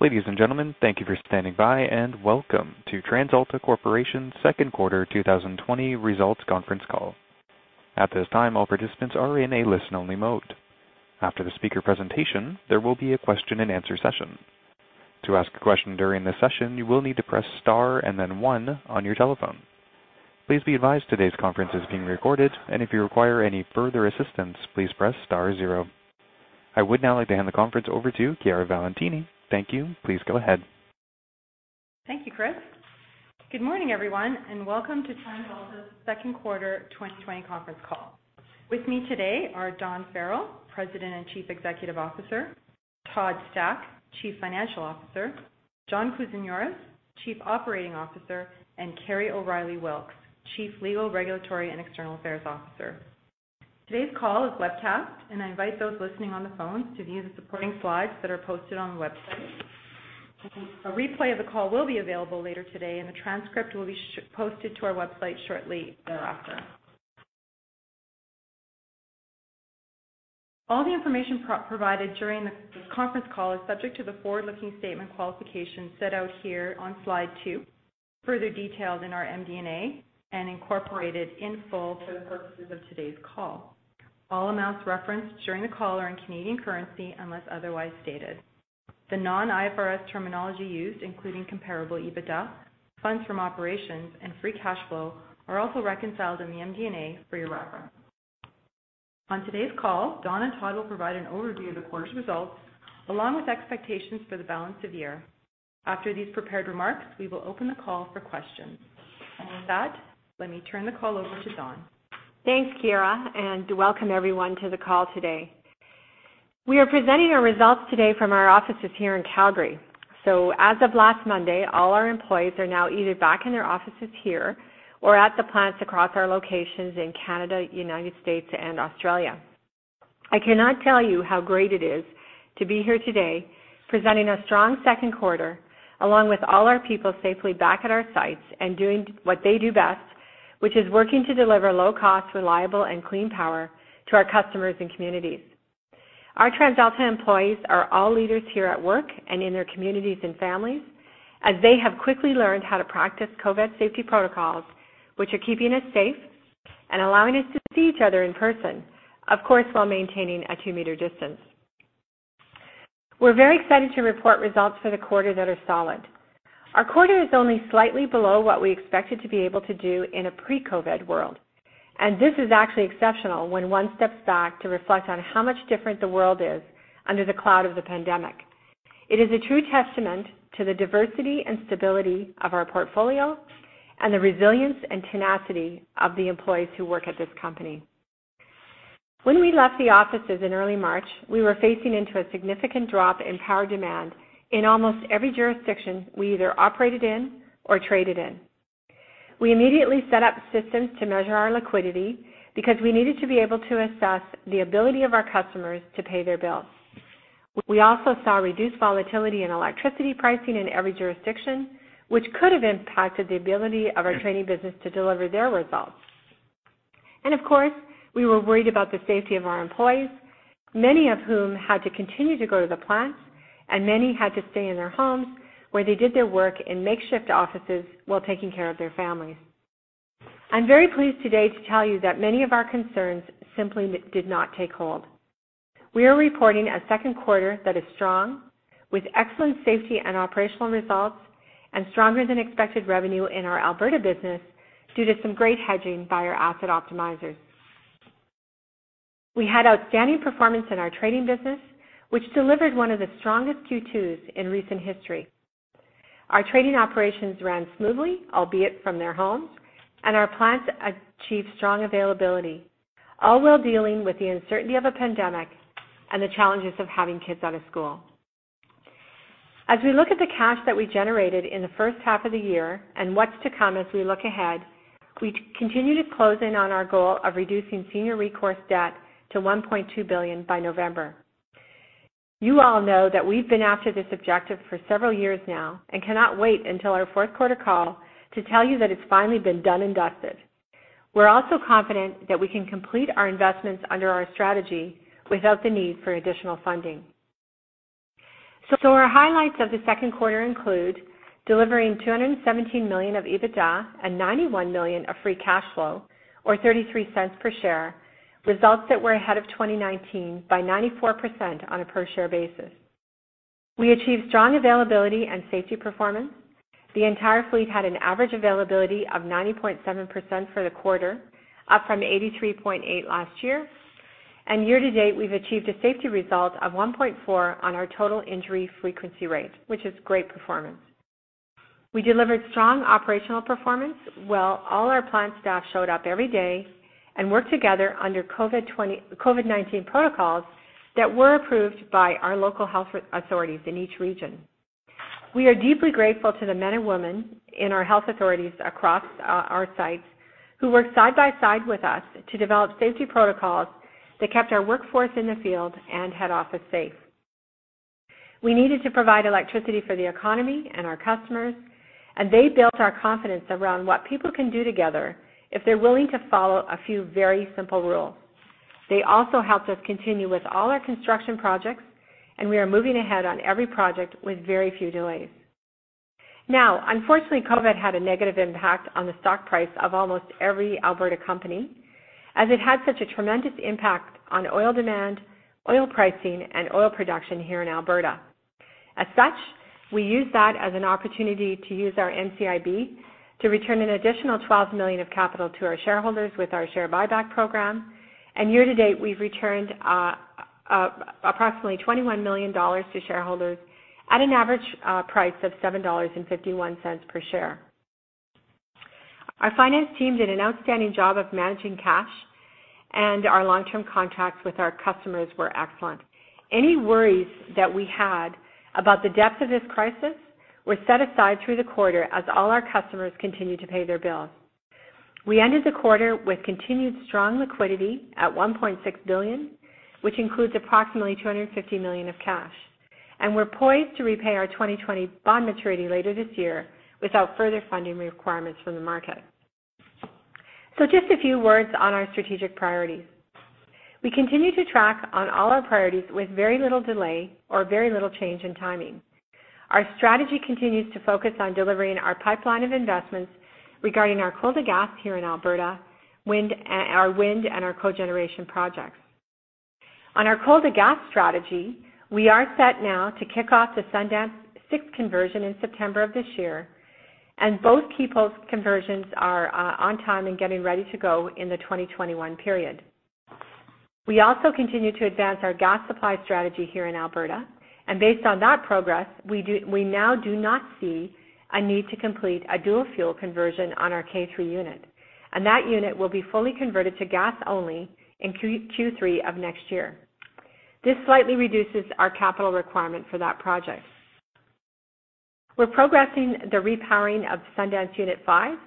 Ladies and gentlemen, thank you for standing by, and welcome to TransAlta Corporation's second quarter 2020 results conference call. At this time, all participants are in a listen-only mode. After the speaker presentation, there will be a question and answer session. To ask a question during the session, you will need to press star and then one on your telephone. Please be advised today's conference is being recorded, and if you require any further assistance, please press star zero. I would now like to hand the conference over to Chiara Valentini. Thank you. Please go ahead. Thank you, Chris. Good morning, everyone, and welcome to TransAlta's second quarter 2020 conference call. With me today are Dawn Farrell, President and Chief Executive Officer, Todd Stack, Chief Financial Officer, John Kousinioris, Chief Operating Officer, and Kerry O'Reilly Wilks, Chief Legal, Regulatory, and External Affairs Officer. Today's call is webcast, and I invite those listening on the phone to view the supporting slides that are posted on the website. A replay of the call will be available later today, and the transcript will be posted to our website shortly thereafter. All the information provided during this conference call is subject to the forward-looking statement qualifications set out here on slide two, further detailed in our MD&A, and incorporated in full for the purposes of today's call. All amounts referenced during the call are in Canadian currency, unless otherwise stated. The non-IFRS terminology used, including comparable EBITDA, funds from operations, and free cash flow, are also reconciled in the MD&A for your reference. On today's call, Dawn and Todd will provide an overview of the quarter's results, along with expectations for the balance of the year. After these prepared remarks, we will open the call for questions. With that, let me turn the call over to Dawn. Thanks, Chiara. Welcome everyone to the call today. We are presenting our results today from our offices here in Calgary. As of last Monday, all our employees are now either back in their offices here or at the plants across our locations in Canada, United States, and Australia. I cannot tell you how great it is to be here today presenting a strong second quarter, along with all our people safely back at our sites and doing what they do best, which is working to deliver low cost, reliable, and clean power to our customers and communities. Our TransAlta employees are all leaders here at work and in their communities and families, as they have quickly learned how to practice COVID safety protocols, which are keeping us safe and allowing us to see each other in person, of course, while maintaining a two-meter distance. We're very excited to report results for the quarter that are solid. Our quarter is only slightly below what we expected to be able to do in a pre-COVID world, and this is actually exceptional when one steps back to reflect on how much different the world is under the cloud of the pandemic. It is a true testament to the diversity and stability of our portfolio and the resilience and tenacity of the employees who work at this company. When we left the offices in early March, we were facing into a significant drop in power demand in almost every jurisdiction we either operated in or traded in. We immediately set up systems to measure our liquidity because we needed to be able to assess the ability of our customers to pay their bills. We also saw reduced volatility in electricity pricing in every jurisdiction, which could have impacted the ability of our trading business to deliver its results. Of course, we were worried about the safety of our employees, many of whom had to continue to go to the plants, and many had to stay in their homes, where they did their work in makeshift offices while taking care of their families. I'm very pleased today to tell you that many of our concerns simply did not take hold. We are reporting a second quarter that is strong with excellent safety and operational results and stronger than expected revenue in our Alberta business due to some great hedging by our asset optimizers. We had outstanding performance in our trading business, which delivered one of the strongest Q2s in recent history. Our trading operations ran smoothly, albeit from their homes, and our plants achieved strong availability, all while dealing with the uncertainty of a pandemic and the challenges of having kids out of school. As we look at the cash that we generated in the first half of the year and what's to come as we look ahead, we continue to close in on our goal of reducing senior recourse debt to 1.2 billion by November. You all know that we've been after this objective for several years now and cannot wait until our fourth quarter call to tell you that it's finally been done and dusted. We're also confident that we can complete our investments under our strategy without the need for additional funding. Our highlights of the second quarter include delivering 217 million of EBITDA and 91 million of free cash flow, or 0.33 per share, results that were ahead of 2019 by 94% on a per-share basis. We achieved strong availability and safety performance. The entire fleet had an average availability of 90.7% for the quarter, up from 83.8% last year. Year-to-date, we've achieved a safety result of 1.4% on our total injury frequency rate, which is great performance. We delivered strong operational performance. While all our plant staff showed up every day and worked together under COVID-19 protocols that were approved by our local health authorities in each region. We are deeply grateful to the men and women in our health authorities across our sites who worked side by side with us to develop safety protocols that kept our workforce in the field and head office safe. We needed to provide electricity for the economy and our customers, and they built our confidence around what people can do together if they're willing to follow a few very simple rules. They also helped us continue with all our construction projects, and we are moving ahead on every project with very few delays. Unfortunately, COVID had a negative impact on the stock price of almost every Alberta company, as it had such a tremendous impact on oil demand, oil pricing, and oil production here in Alberta. As such, we used that as an opportunity to use our NCIB to return an additional 12 million of capital to our shareholders with our share buyback program. Year to date, we've returned approximately 21 million dollars to shareholders at an average price of 7.51 dollars per share. Our finance team did an outstanding job of managing cash, and our long-term contracts with our customers were excellent. Any worries that we had about the depth of this crisis were set aside through the quarter as all our customers continued to pay their bills. We ended the quarter with continued strong liquidity at 1.6 billion, which includes approximately 250 million of cash. We're poised to repay our 2020 bond maturity later this year without further funding requirements from the market. Just a few words on our strategic priorities. We continue to track all our priorities with very little delay or very little change in timing. Our strategy continues to focus on delivering our pipeline of investments regarding our coal-to-gas here in Alberta, our wind, and our cogeneration projects. On our coal-to-gas strategy, we are set now to kick off the Sundance Unit 6 conversion in September of this year, and both Keephills conversions are on time and getting ready to go in the 2021 period. We also continue to advance our gas supply strategy here in Alberta. Based on that progress, we now do not see a need to complete a dual-fuel conversion on our K3 unit, and that unit will be fully converted to gas only in Q3 of next year. This slightly reduces our capital requirement for that project. We're progressing the repowering of Sundance Unit 5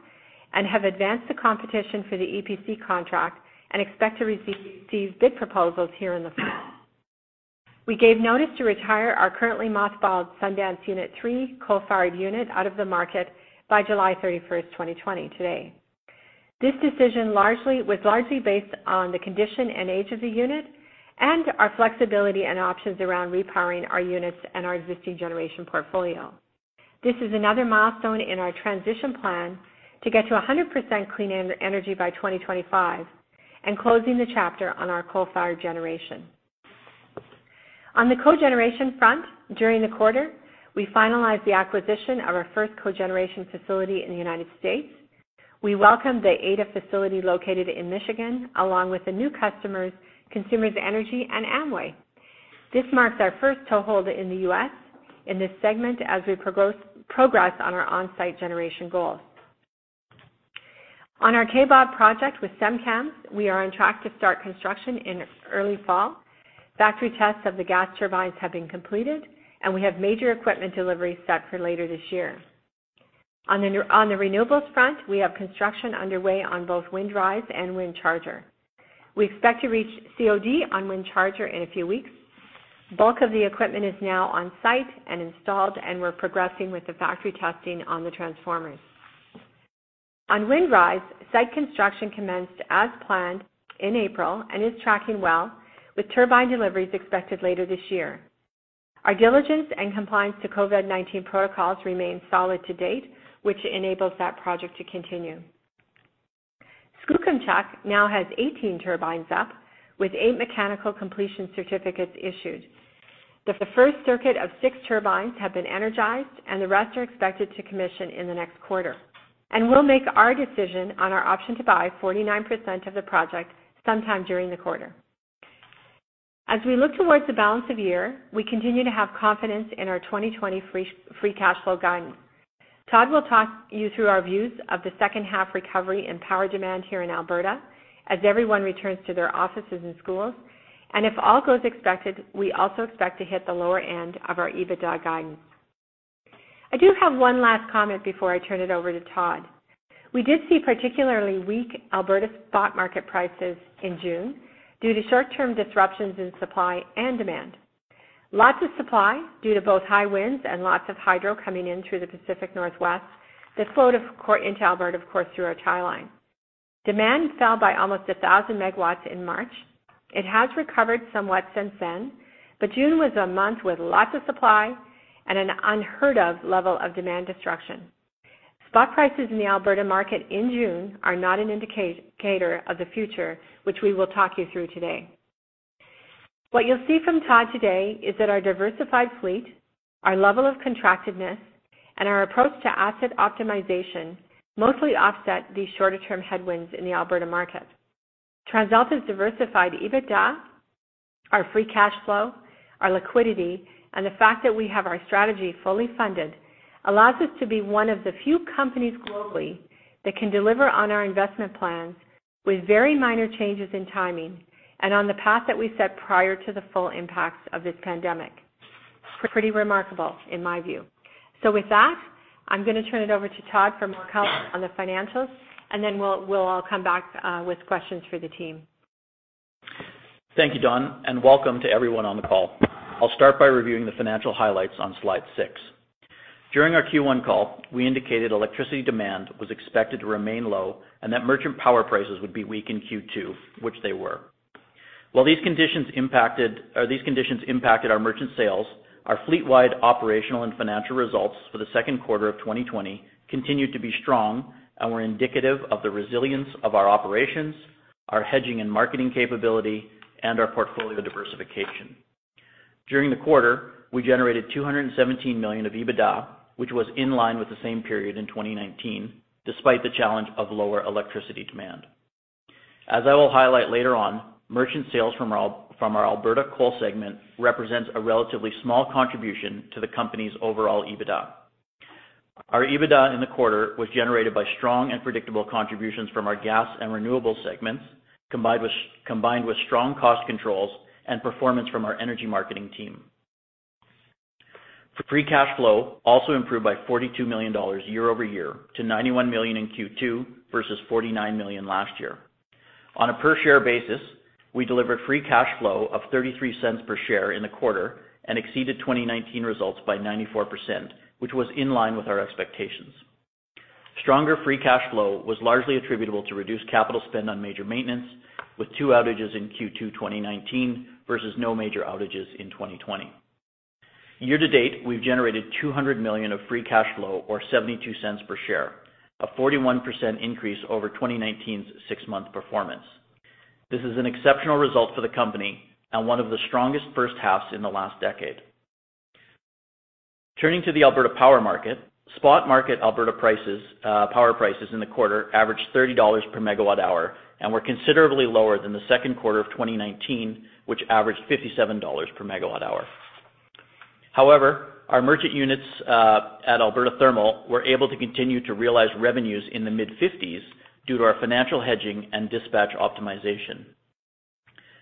and have advanced the competition for the EPC contract and expect to receive bid proposals here in the fall. We gave notice to retire our currently mothballed Sundance Unit 3 coal-fired unit out of the market by July 31st, 2020, today. This decision was largely based on the condition and age of the unit and our flexibility and options around repowering our units and our existing generation portfolio. This is another milestone in our transition plan to get to 100% clean energy by 2025 and close the chapter on our coal-fired generation. On the cogeneration front, during the quarter, we finalized the acquisition of our first cogeneration facility in the U.S. We welcome the Ada facility located in Michigan, along with the new customers, Consumers Energy and Amway. This marks our first toehold in the U.S. in this segment as we progress on our on-site generation goals. On our Kaybob project with SemCAMS, we are on track to start construction in early fall. We have major equipment delivery set for later this year. On the renewables front, we have construction underway on both Windrise and WindCharger. We expect to reach COD on WindCharger in a few weeks. We're progressing with the factory testing on the transformers. On Windrise, site construction commenced as planned in April and is tracking well, with turbine deliveries expected later this year. Our diligence and compliance with COVID-19 protocols remain solid to date, which enables that project to continue. Skookumchuck now has 18 turbines up, with eight mechanical completion certificates issued. The first circuit of six turbines has been energized; the rest are expected to be commissioned in the next quarter. We'll make our decision on our option to buy 49% of the project sometime during the quarter. As we look towards the balance of the year, we continue to have confidence in our 2020 free cash flow guidance. Todd will talk you through our views of the second-half recovery in power demand here in Alberta as everyone returns to their offices and schools. If all goes as expected, we also expect to hit the lower end of our EBITDA guidance. I do have one last comment before I turn it over to Todd. We did see particularly weak Alberta spot market prices in June due to short-term disruptions in supply and demand. Lots of supply due to both high winds and lots of hydro coming in through the Pacific Northwest that flowed into Alberta, of course, through our tie line. Demand fell by almost 1,000 MW in March. It has recovered somewhat since then. June was a month with lots of supply and an unheard-of level of demand destruction. Spot prices in the Alberta market in June are not an indicator of the future, which we will talk you through today. What you'll see from Todd today is that our diversified fleet, our level of contractedness, and our approach to asset optimization mostly offset these shorter-term headwinds in the Alberta market. TransAlta's diversified EBITDA, our free cash flow, our liquidity, and the fact that we have our strategy fully funded allow us to be one of the few companies globally that can deliver on our investment plans with very minor changes in timing and on the path that we set prior to the full impacts of this pandemic. Pretty remarkable, in my view. With that, I'm going to turn it over to Todd for more color on the financials, and then we'll come back with questions for the team. Thank you, Dawn, and welcome to everyone on the call. I'll start by reviewing the financial highlights on slide six. During our Q1 call, we indicated electricity demand was expected to remain low and that merchant power prices would be weak in Q2, which they were. While these conditions impacted our merchant sales, our fleet-wide operational and financial results for the second quarter of 2020 continued to be strong and were indicative of the resilience of our operations, our hedging and marketing capability, and our portfolio diversification. During the quarter, we generated 217 million of EBITDA, which was in line with the same period in 2019, despite the challenge of lower electricity demand. As I will highlight later on, merchant sales from our Alberta coal segment represent a relatively small contribution to the company's overall EBITDA. Our EBITDA in the quarter was generated by strong and predictable contributions from our gas and renewable segments, combined with strong cost controls and performance from our energy marketing team. Free cash flow also improved by 42 million dollars year-over-year to 91 million in Q2 versus 49 million last year. On a per-share basis, we delivered free cash flow of 0.33 per share in the quarter and exceeded 2019 results by 94%, which was in line with our expectations. Stronger free cash flow was largely attributable to reduced capital spend on major maintenance, with two outages in Q2 2019 versus no major outages in 2020. Year-to-date, we've generated 200 million of free cash flow or 0.72 per share, a 41% increase over 2019's six-month performance. This is an exceptional result for the company and one of the strongest first halves in the last decade. Turning to the Alberta power market, spot market Alberta power prices in the quarter averaged 30 dollars per MWh and were considerably lower than the second quarter of 2019, which averaged 57 dollars per MWh. Our merchant units, at Alberta Thermal, were able to continue to realize revenues in the mid-50s due to our financial hedging and dispatch optimization.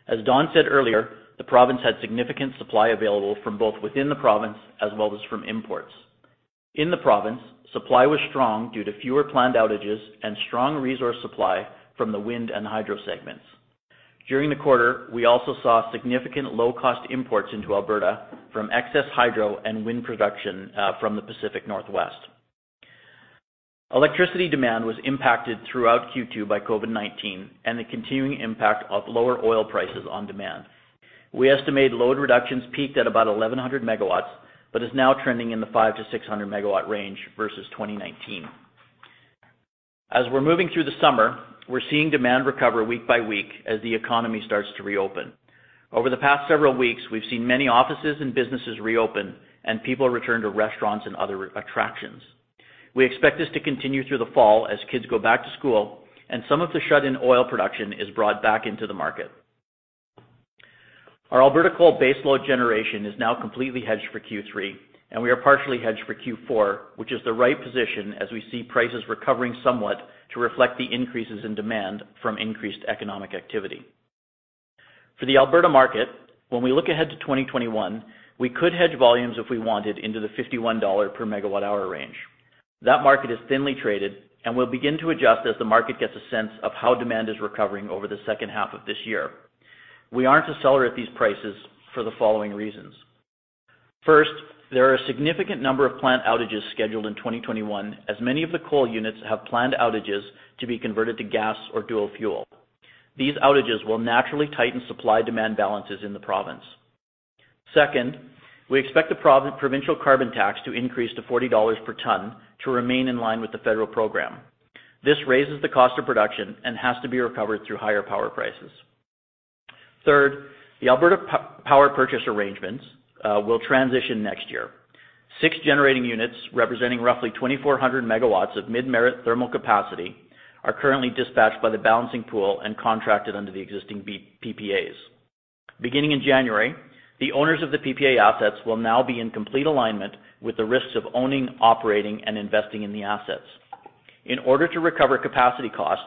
As Dawn said earlier, the province had significant supply available from both within the province and from imports. In the province, supply was strong due to fewer planned outages and strong resource supply from the wind and hydro segments. During the quarter, we also saw significant low-cost imports into Alberta from excess hydro and wind production from the Pacific Northwest. Electricity demand was impacted throughout Q2 by COVID-19 and the continuing impact of lower oil prices on demand. We estimate load reductions peaked at about 1,100 MW but are now trending in the 500-600 MW range versus 2019. As we're moving through the summer, we're seeing demand recover week by week as the economy starts to reopen. Over the past several weeks, we've seen many offices and businesses reopen and people return to restaurants and other attractions. We expect this to continue through the fall as kids go back to school and some of the shut-in oil production is brought back into the market. Our Alberta coal base load generation is now completely hedged for Q3, and we are partially hedged for Q4, which is the right position as we see prices recovering somewhat to reflect the increases in demand from increased economic activity. For the Alberta market, when we look ahead to 2021, we could hedge volumes if we wanted into the 51 dollar per megawatt-hour range. That market is thinly traded and will begin to adjust as the market gets a sense of how demand is recovering over the second half of this year. We aren't a seller at these prices for the following reasons. First, there are a significant number of plant outages scheduled in 2021, as many of the coal units have planned outages to be converted to gas or dual-fuel. These outages will naturally tighten supply-demand balances in the province. Second, we expect the provincial carbon tax to increase to 40 dollars per ton to remain in line with the federal program. This raises the cost of production and has to be recovered through higher power prices. Third, the Alberta Power Purchase Arrangements will transition next year. Six generating units, representing roughly 2,400 megawatts of mid-merit thermal capacity, are currently dispatched by the Balancing Pool and contracted under the existing PPAs. Beginning in January, the owners of the PPA assets will now be in complete alignment with the risks of owning, operating, and investing in the assets. In order to recover capacity costs,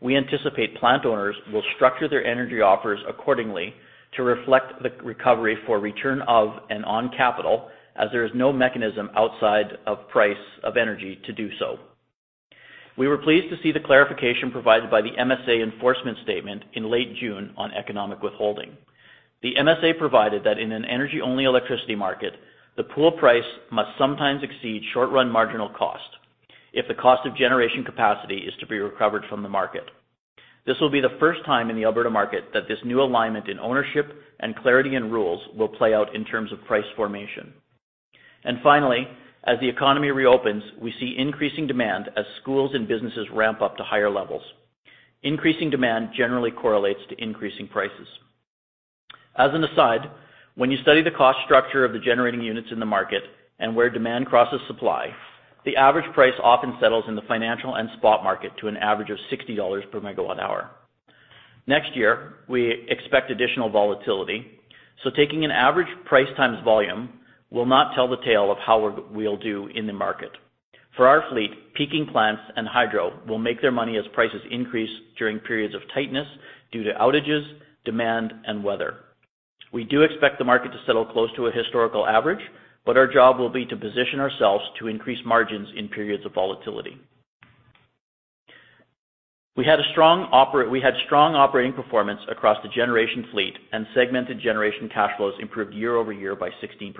we anticipate plant owners will structure their energy offers accordingly to reflect the recovery for return of and on capital, as there is no mechanism outside of the price of energy to do so. We were pleased to see the clarification provided by the MSA enforcement statement in late June on economic withholding. The MSA provided that in an energy-only electricity market, the pool price must sometimes exceed short-run marginal cost if the cost of generation capacity is to be recovered from the market. This will be the first time in the Alberta market that this new alignment in ownership and clarity in rules will play out in terms of price formation. Finally, as the economy reopens, we see increasing demand as schools and businesses ramp up to higher levels. Increasing demand generally correlates to increasing prices. As an aside, when you study the cost structure of the generating units in the market and where demand crosses supply, the average price often settles in the financial and spot markets at an average of 60 dollars per megawatt hour. Next year, we expect additional volatility, so taking an average price times volume will not tell the tale of how we'll do in the market. For our fleet, peaking plants and hydro will make their money as prices increase during periods of tightness due to outages, demand, and weather. We do expect the market to settle close to a historical average, but our job will be to position ourselves to increase margins in periods of volatility. We had strong operating performance across the generation fleet, and segmented generation cash flows improved year-over-year by 16%.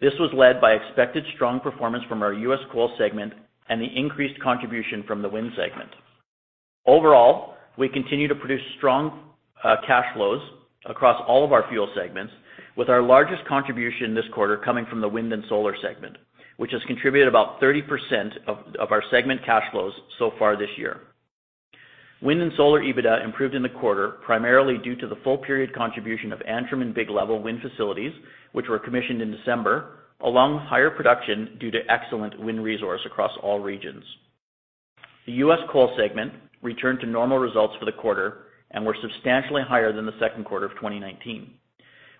This was led by expected strong performance from our U.S. Coal segment and the increased contribution from the Wind segment. Overall, we continue to produce strong cash flows across all of our fuel segments, with our largest contribution this quarter coming from the Wind and Solar segment, which has contributed about 30% of our segment cash flows so far this year. Wind and Solar EBITDA improved in the quarter, primarily due to the full-period contribution of the Antrim and Big Level wind facilities, which were commissioned in December, along with higher production due to excellent wind resources across all regions. The U.S. Coal segment returned to normal results for the quarter and was substantially higher than the second quarter of 2019.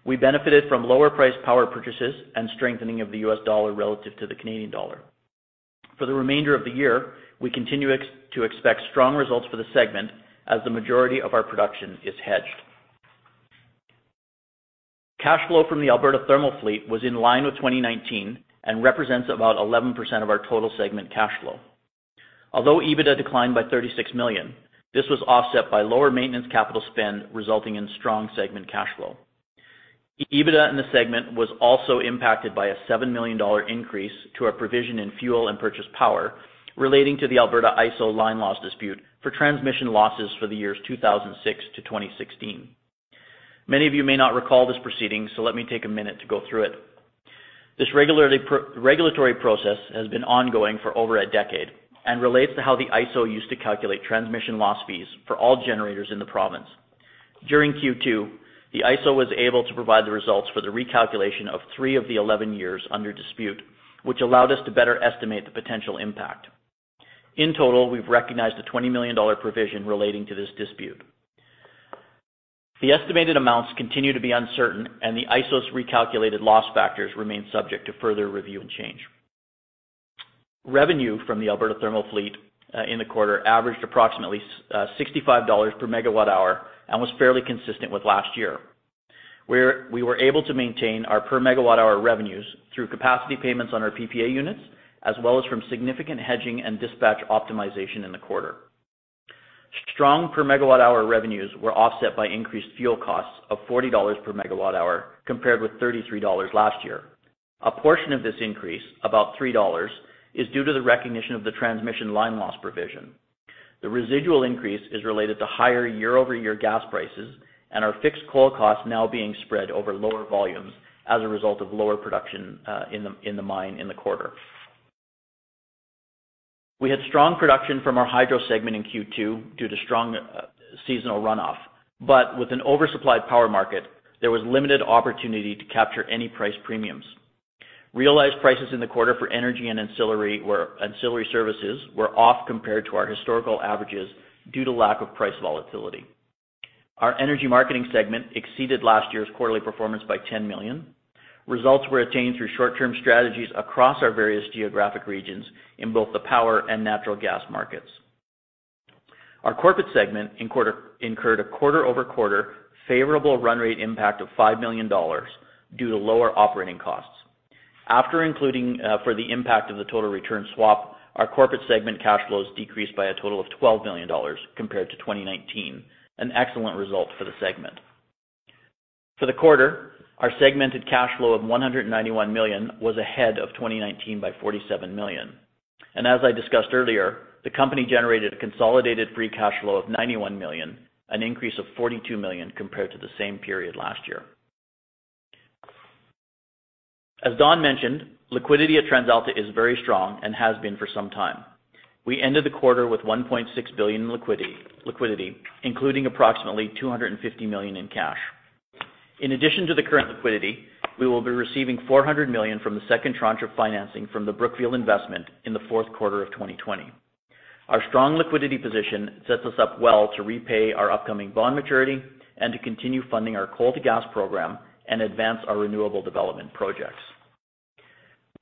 We benefited from lower-priced power purchases and strengthening of the U.S. dollar relative to the Canadian dollar. For the remainder of the year, we continue to expect strong results for the segment as the majority of our production is hedged. Cash flow from the Alberta Thermal fleet was in line with 2019 and represents about 11% of our total segment cash flow. Although EBITDA declined by 36 million, this was offset by lower maintenance capital spend, resulting in strong segment cash flow. EBITDA in the segment was also impacted by a 7 million dollar increase to our provision in fuel and purchase power relating to the Alberta ISO line loss dispute for transmission losses for the years 2006-2016. Many of you may not recall this proceeding. Let me take a minute to go through it. This regulatory process has been ongoing for over a decade and relates to how the AESO used to calculate transmission loss fees for all generators in the province. During Q2, the AESO was able to provide the results for the recalculation of three of the 11 years under dispute, which allowed us to better estimate the potential impact. In total, we've recognized a 20 million dollar provision relating to this dispute. The estimated amounts continue to be uncertain, and the AESO's recalculated loss factors remain subject to further review and change. Revenue from the Alberta Thermal fleet in the quarter averaged approximately 65 dollars per megawatt hour and was fairly consistent with last year, where we were able to maintain our per megawatt hour revenues through capacity payments on our PPA units, as well as from significant hedging and dispatch optimization in the quarter. Strong per megawatt-hour revenues were offset by increased fuel costs of 40 dollars per megawatt-hour compared with 33 dollars last year. A portion of this increase, about 3 dollars, is due to the recognition of the transmission line loss provision. The residual increase is related to higher year-over-year gas prices and our fixed coal costs now being spread over lower volumes as a result of lower production in the mine in the quarter. We had strong production from our hydro segment in Q2 due to strong seasonal runoff. With an oversupplied power market, there was limited opportunity to capture any price premiums. Realized prices in the quarter for energy and ancillary services were off compared to our historical averages due to lack of price volatility. Our energy marketing segment exceeded last year's quarterly performance by 10 million. Results were attained through short-term strategies across our various geographic regions in both the power and natural gas markets. Our corporate segment incurred a quarter-over-quarter favorable run rate impact of 5 million dollars due to lower operating costs. After accounting for the impact of the total return swap, our corporate segment cash flows decreased by a total of 12 million dollars compared to 2019, an excellent result for the segment. For the quarter, our segmented cash flow of 191 million was ahead of 2019 by 47 million. As I discussed earlier, the company generated a consolidated free cash flow of 91 million, an increase of 42 million compared to the same period last year. As Dawn mentioned, liquidity at TransAlta is very strong and has been for some time. We ended the quarter with 1.6 billion in liquidity, including approximately 250 million in cash. In addition to the current liquidity, we will be receiving 400 million from the second tranche of financing from the Brookfield investment in the fourth quarter of 2020. Our strong liquidity position sets us up well to repay our upcoming bond maturity and to continue funding our coal-to-gas program and advance our renewable development projects.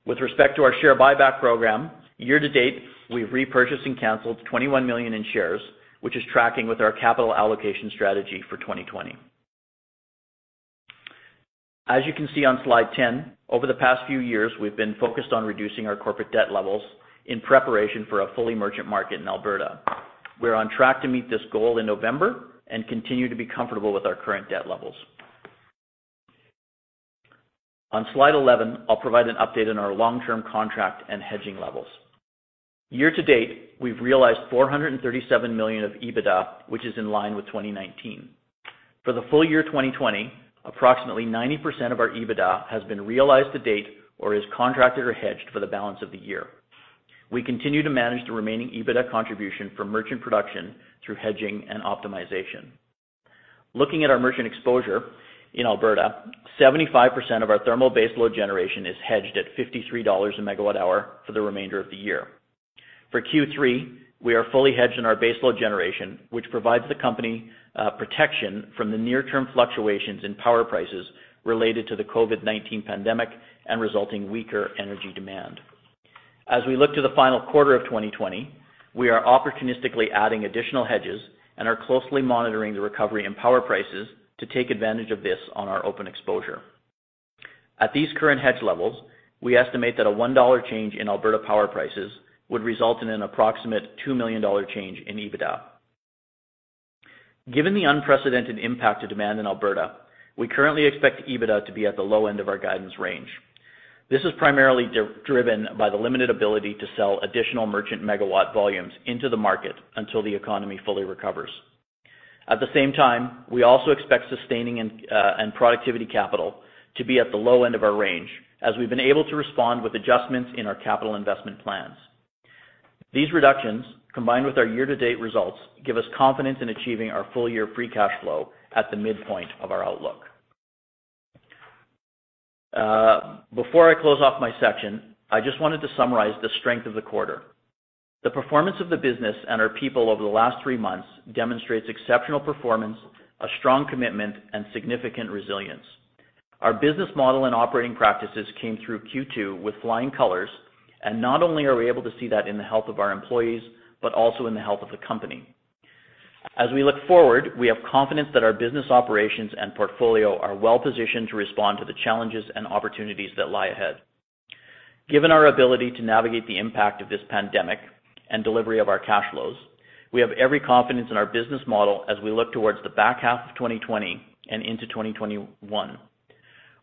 With respect to our share buyback program, year-to-date, we've repurchased and canceled 21 million in shares, which is tracking with our capital allocation strategy for 2020. As you can see on slide 10, over the past few years, we've been focused on reducing our corporate debt levels in preparation for a fully merchant market in Alberta. We're on track to meet this goal in November and continue to be comfortable with our current debt levels. On slide 11, I'll provide an update on our long-term contract and hedging levels. Year to date, we've realized 437 million of EBITDA, which is in line with 2019. For the full year 2020, approximately 90% of our EBITDA has been realized to date or is contracted or hedged for the balance of the year. We continue to manage the remaining EBITDA contribution from merchant production through hedging and optimization. Looking at our merchant exposure in Alberta, 75% of our thermal base load generation is hedged at 53 dollars a megawatt-hour for the remainder of the year. For Q3, we are fully hedged in our baseload generation, which provides the company protection from the near-term fluctuations in power prices related to the COVID-19 pandemic and resulting weaker energy demand. As we look to the final quarter of 2020, we are opportunistically adding additional hedges and are closely monitoring the recovery in power prices to take advantage of this on our open exposure. At these current hedge levels, we estimate that a CAD 1 change in Alberta power prices would result in an approximate CAD 2 million change in EBITDA. Given the unprecedented impact of demand in Alberta, we currently expect EBITDA to be at the low end of our guidance range. This is primarily driven by the limited ability to sell additional merchant megawatt volumes into the market until the economy fully recovers. We also expect sustaining and productivity capital to be at the low end of our range, as we've been able to respond with adjustments in our capital investment plans. These reductions, combined with our year-to-date results, give us confidence in achieving our full-year free cash flow at the midpoint of our outlook. Before I close off my section, I just wanted to summarize the strength of the quarter. The performance of the business and our people over the last three months demonstrates exceptional performance, a strong commitment, and significant resilience. Our business model and operating practices came through Q2 with flying colors; not only are we able to see that in the health of our employees, but also in the health of the company. As we look forward, we have confidence that our business operations and portfolio are well-positioned to respond to the challenges and opportunities that lie ahead. Given our ability to navigate the impact of this pandemic and delivery of our cash flows, we have every confidence in our business model as we look towards the back half of 2020 and into 2021.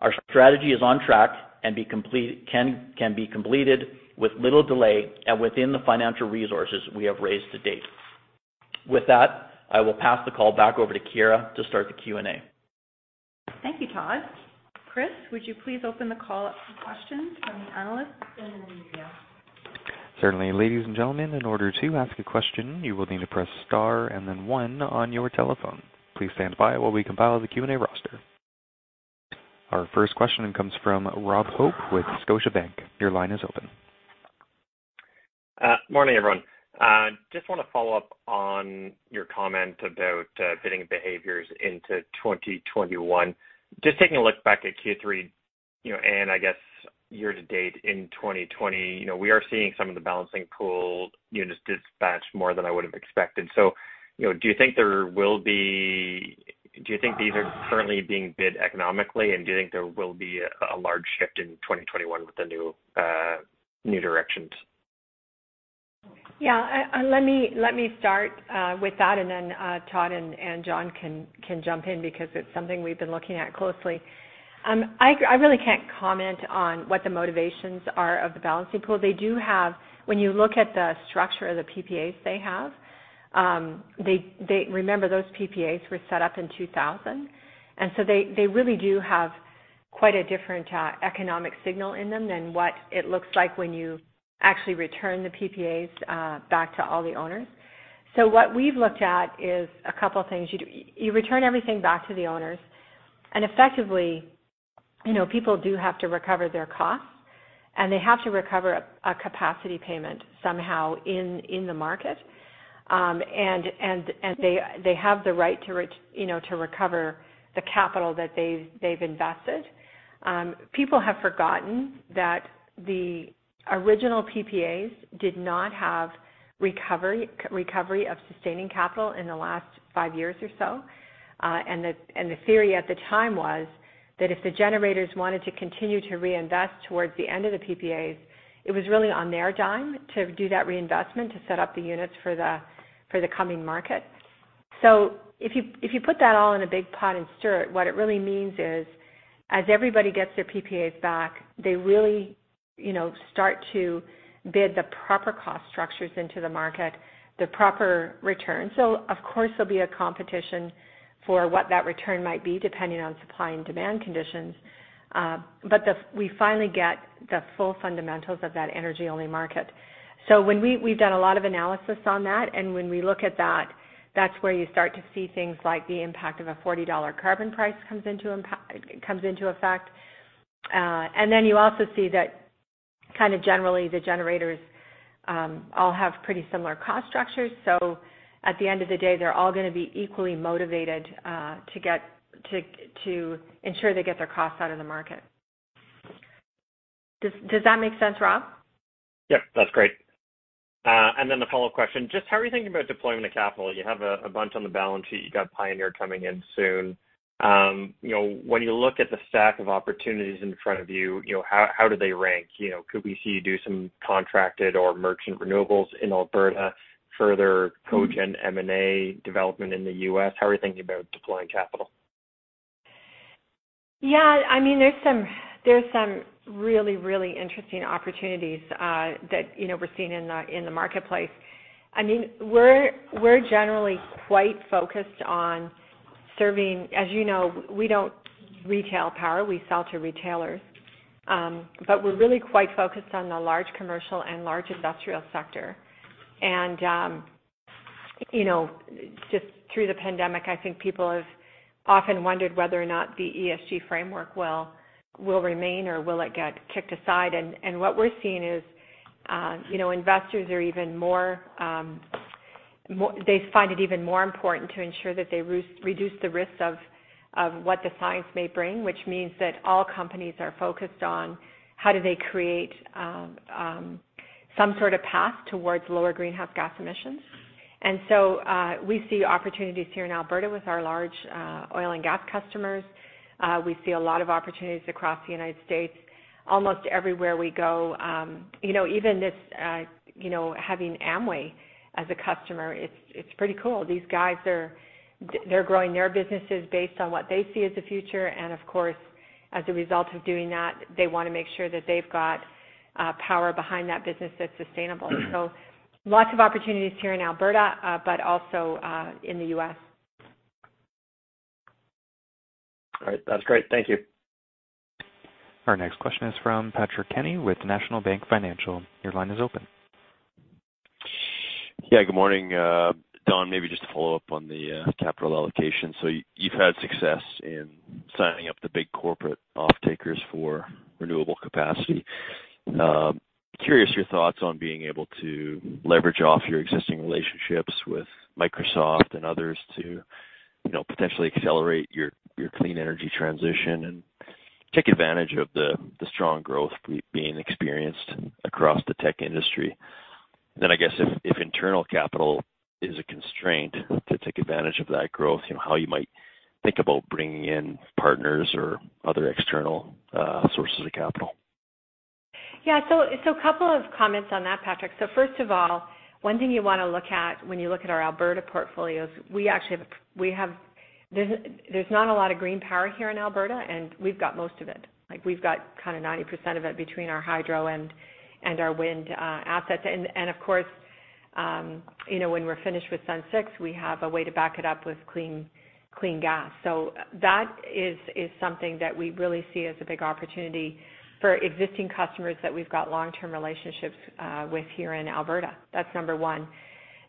Our strategy is on track and can be completed with little delay and within the financial resources we have raised to date. With that, I will pass the call back over to Chiara to start the Q&A. Thank you, Todd. Chris, would you please open the call up for questions from the analysts and the media? Certainly. Ladies and gentlemen, in order to ask a question, you will need to press star and then one on your telephone. Please stand by while we compile the Q&A roster. Our first question comes from Robert Hope with Scotiabank. Your line is open. Morning, everyone. I just want to follow up on your comment about bidding behaviors into 2021. I am just taking a look back at Q3, and I guess year-to-date in 2020, we are seeing some of the Balancing Pool units dispatched more than I would have expected. Do you think these are currently being bid economically, and do you think there will be a large shift in 2021 with the new directions? Yeah. Let me start with that, and then Todd and John can jump in because it's something we've been looking at closely. I really can't comment on what the motivations of the Balancing Pool are. When you look at the structure of the PPAs they have, remember, those PPAs were set up in 2000, and so they really do have quite a different economic signal in them than what it looks like when you actually return the PPAs back to all the owners. What we've looked at are a couple things. You return everything back to the owners, and effectively, people do have to recover their costs, and they have to recover a capacity payment somehow in the market. They have the right to recover the capital that they've invested. People have forgotten that the original PPAs did not have recovery of sustaining capital in the last five years or so. The theory at the time was that if the generators wanted to continue to reinvest towards the end of the PPAs, it was really on their dime to do that reinvestment to set up the units for the coming market. If you put that all in a big pot and stir it, what it really means is, as everybody gets their PPAs back, they really start to bid the proper cost structures into the market, the proper return. Of course, there'll be a competition for what that return might be, depending on supply and demand conditions. We finally get the full fundamentals of that energy-only market. We've done a lot of analysis on that. When we look at that, that's where you start to see things like the impact of a CAD 40 carbon price coming into effect. You also see that, kind of generally, the generators all have pretty similar cost structures. At the end of the day, they're all going to be equally motivated to ensure they get their costs out of the market. Does that make sense, Rob? Yep, that's great. The follow-up question is, just how are you thinking about deploying the capital? You have a bunch on the balance sheet. You got Pioneer coming in soon. When you look at the stack of opportunities in front of you, how do they rank? Could we see you do some contracted or merchant renewables in Alberta and further cogeneration M&A development in the U.S.? How are you thinking about deploying capital? Yeah, there are some really interesting opportunities that we're seeing in the marketplace. We're generally quite focused on serving. As you know, we don't retail power. We sell to retailers. We're really quite focused on the large commercial and large industrial sector. Just through the pandemic, I think people have often wondered whether or not the ESG framework will remain or if it will get kicked aside. What we're seeing is investors; they find it even more important to ensure that they reduce the risk of what the science may bring, which means that all companies are focused on how they create some sort of path towards lower greenhouse gas emissions. We see opportunities here in Alberta with our large oil and gas customers. We see a lot of opportunities across the U.S. almost everywhere we go. Even with this, having Amway as a customer is pretty cool. These guys are growing their businesses based on what they see as the future, of course, as a result of doing that, they want to make sure that they've got power behind that business that's sustainable. Lots of opportunities here in Alberta, but also in the U.S. All right. That's great. Thank you. Our next question is from Patrick Kenny with National Bank Financial. Your line is open. Yeah, good morning. Dawn, maybe just to follow up on the capital allocation. You've had success in signing up the big corporate off-takers for renewable capacity. Curious about your thoughts on being able to leverage off your existing relationships with Microsoft and others to potentially accelerate your clean energy transition and take advantage of the strong growth being experienced across the tech industry. I guess if internal capital is a constraint to take advantage of that growth, you might think about bringing in partners or other external sources of capital. Yeah. A couple of comments on that, Patrick. First of all, one thing you want to look at when you look at our Alberta portfolios is there's not a lot of green power here in Alberta, and we've got most of it. We've got 90% of it between our hydro and our wind assets. Of course, when we're finished with SUN 6, we have a way to back it up with clean gas. That is something that we really see as a big opportunity for existing customers that we've got long-term relationships with here in Alberta. That's number one.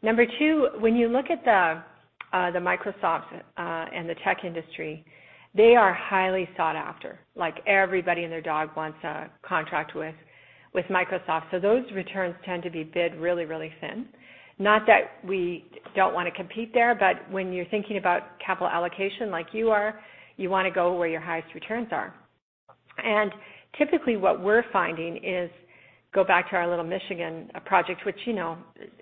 Number two, when you look at Microsoft and the tech industry, they are highly sought after. Everybody and their dog wants a contract with Microsoft. Those returns tend to be bid really thin. Not that we don't want to compete there, but when you're thinking about capital allocation like you are, you want to go where your highest returns are. Typically what we're finding is, going back to our little Michigan project, which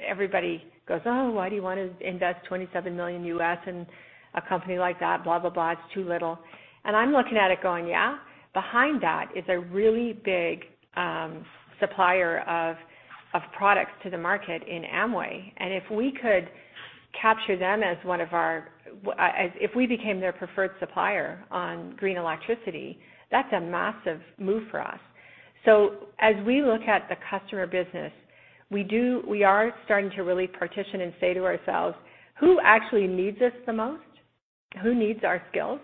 everybody goes, Oh, why do you want to invest $27 million in a company like that? Blah, blah. It's too little." I'm looking at it going, yeah. Behind that is a really big supplier of products to the market in Amway. If we become their preferred supplier on green electricity, that's a massive move for us. As we look at the customer business, we are starting to really partition and say to ourselves, who actually needs us the most? Who needs our skills?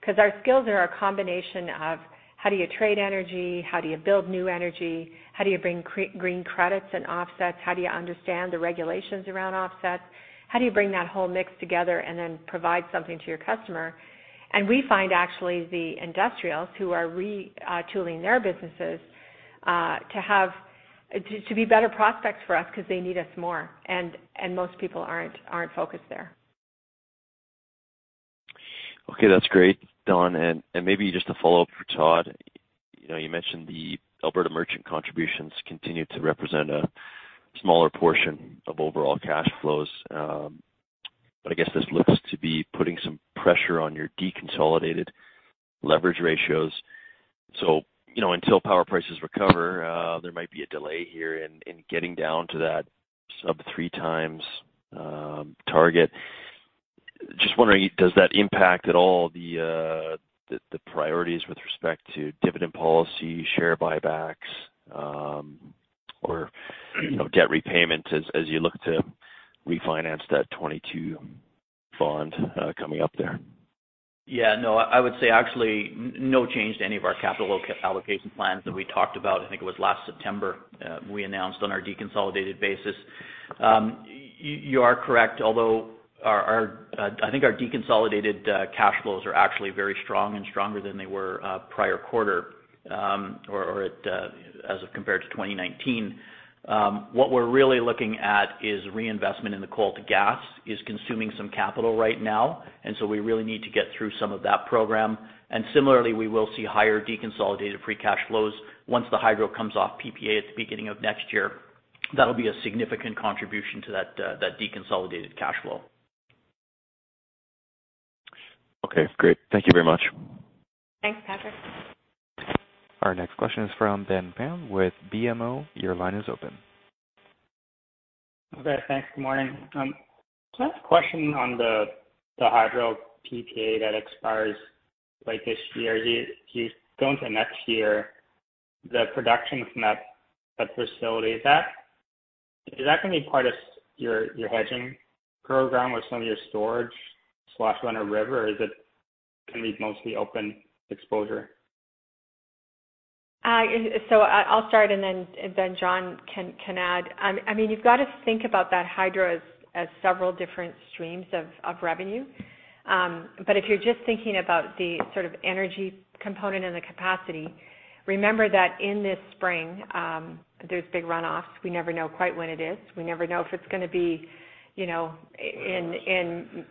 Because our skills are a combination of how you trade energy? How do you build new energy? How do you bring green credits and offsets? How do you understand the regulations around offsets? How do you bring that whole mix together and then provide something to your customer? We find, actually, the industrials who are retooling their businesses to be better prospects for us because they need us more, and most people aren't focused there. Okay, that's great, Dawn. Maybe just to follow up for Todd, you mentioned the Alberta merchant contributions continue to represent a smaller portion of overall cash flows. I guess this looks to be putting some pressure on your deconsolidated leverage ratios. Until power prices recover, there might be a delay here in getting down to that sub-three times target. Just wondering, does that impact at all the priorities with respect to dividend policy, share buybacks, or debt repayment as you look to refinance that 22 bond coming up there? Yeah. No, I would say, actually, no change to any of our capital allocation plans that we talked about. I think it was last September; we announced it on our deconsolidated basis. You are correct, although I think our deconsolidated cash flows are actually very strong and stronger than they were in the prior quarter or as compared to 2019. What we're really looking at is reinvestment in coal to gas is consuming some capital right now, and so we really need to get through some of that program. Similarly, we will see higher deconsolidated free cash flows once the hydro comes off PPA at the beginning of next year. That'll be a significant contribution to that deconsolidated cash flow. Okay, great. Thank you very much. Thanks, Patrick. Our next question is from Ben Pham with BMO. Your line is open. Okay, thanks. Good morning. Just a question on the hydro PPA that expires this year. As you go into next year, is the production from that facility going to be part of your hedging program with some of your storage/run-of-river, or is it going to be mostly open exposure? I'll start and then John can add. You've got to think about that hydro as several different streams of revenue. If you're just thinking about the sort of energy component and the capacity, remember that in this spring, there are big runoffs. We never know quite when it is. We never know if it's in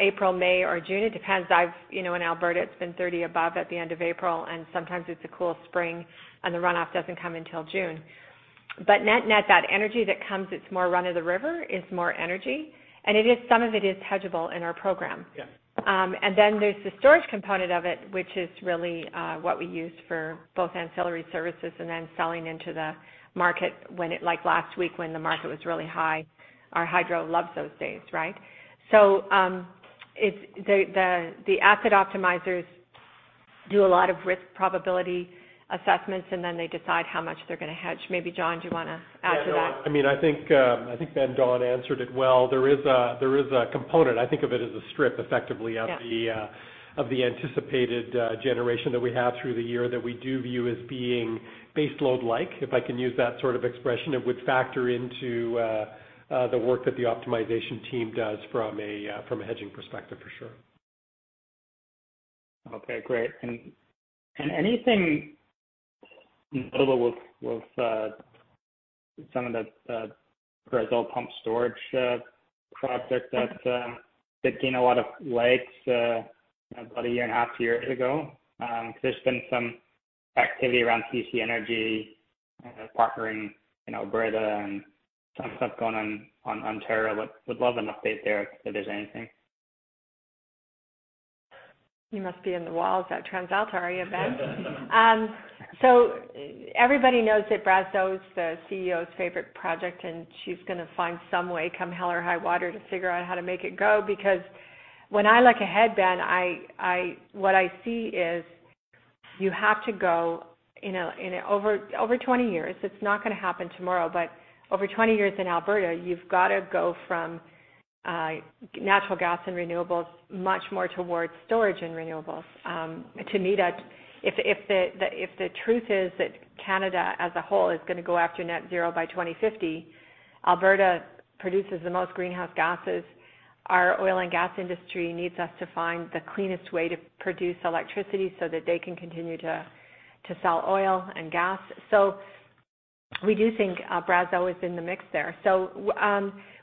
April, May, or June. It depends. In Alberta, it's been 30 above at the end of April, and sometimes it's a cool spring, and the runoff doesn't come until June. Net that energy that comes; it's more run of the river. It's more energy, and some of it is hedgeable in our program. Yes. Then there's the storage component of it, which is really what we use for both ancillary services and then selling into the market. Like last week when the market was really high, our hydro loves those days, right? The asset optimizers do a lot of risk probability assessments, and then they decide how much they're going to hedge. Maybe, John, do you want to add to that? Yeah. I think Ben, Dawn answered it well. There is a component; I think of it as a strip, effectively. Yeah of the anticipated generation that we have through the year that we do view as being base load-like, if I can use that sort of expression. It would factor into the work that the optimization team does from a hedging perspective, for sure. Okay, great. Anything notable with some of the Brazeau Pump Storage project that's been getting a lot of likes about a year and a half to two years ago? There's been some activity around TC Energy partnering in Alberta and some stuff going on in Ontario. Would love an update there if there's anything. You must be in the walls at TransAlta, are you, Ben? Everybody knows that Brazeau is the CEO's favorite project, and she's going to find some way, come hell or high water, to figure out how to make it go. Because when I look ahead, Ben, what I see is you have to go over 20 years. It's not going to happen tomorrow, but over 20 years in Alberta, you've got to go from natural gas and renewables much more towards storage and renewables. To me, if the truth is that Canada as a whole is going to go after net zero by 2050, Alberta produces the most greenhouse gases. Our oil and gas industry needs us to find the cleanest way to produce electricity so that they can continue to sell oil and gas. We do think Brazeau is in the mix there.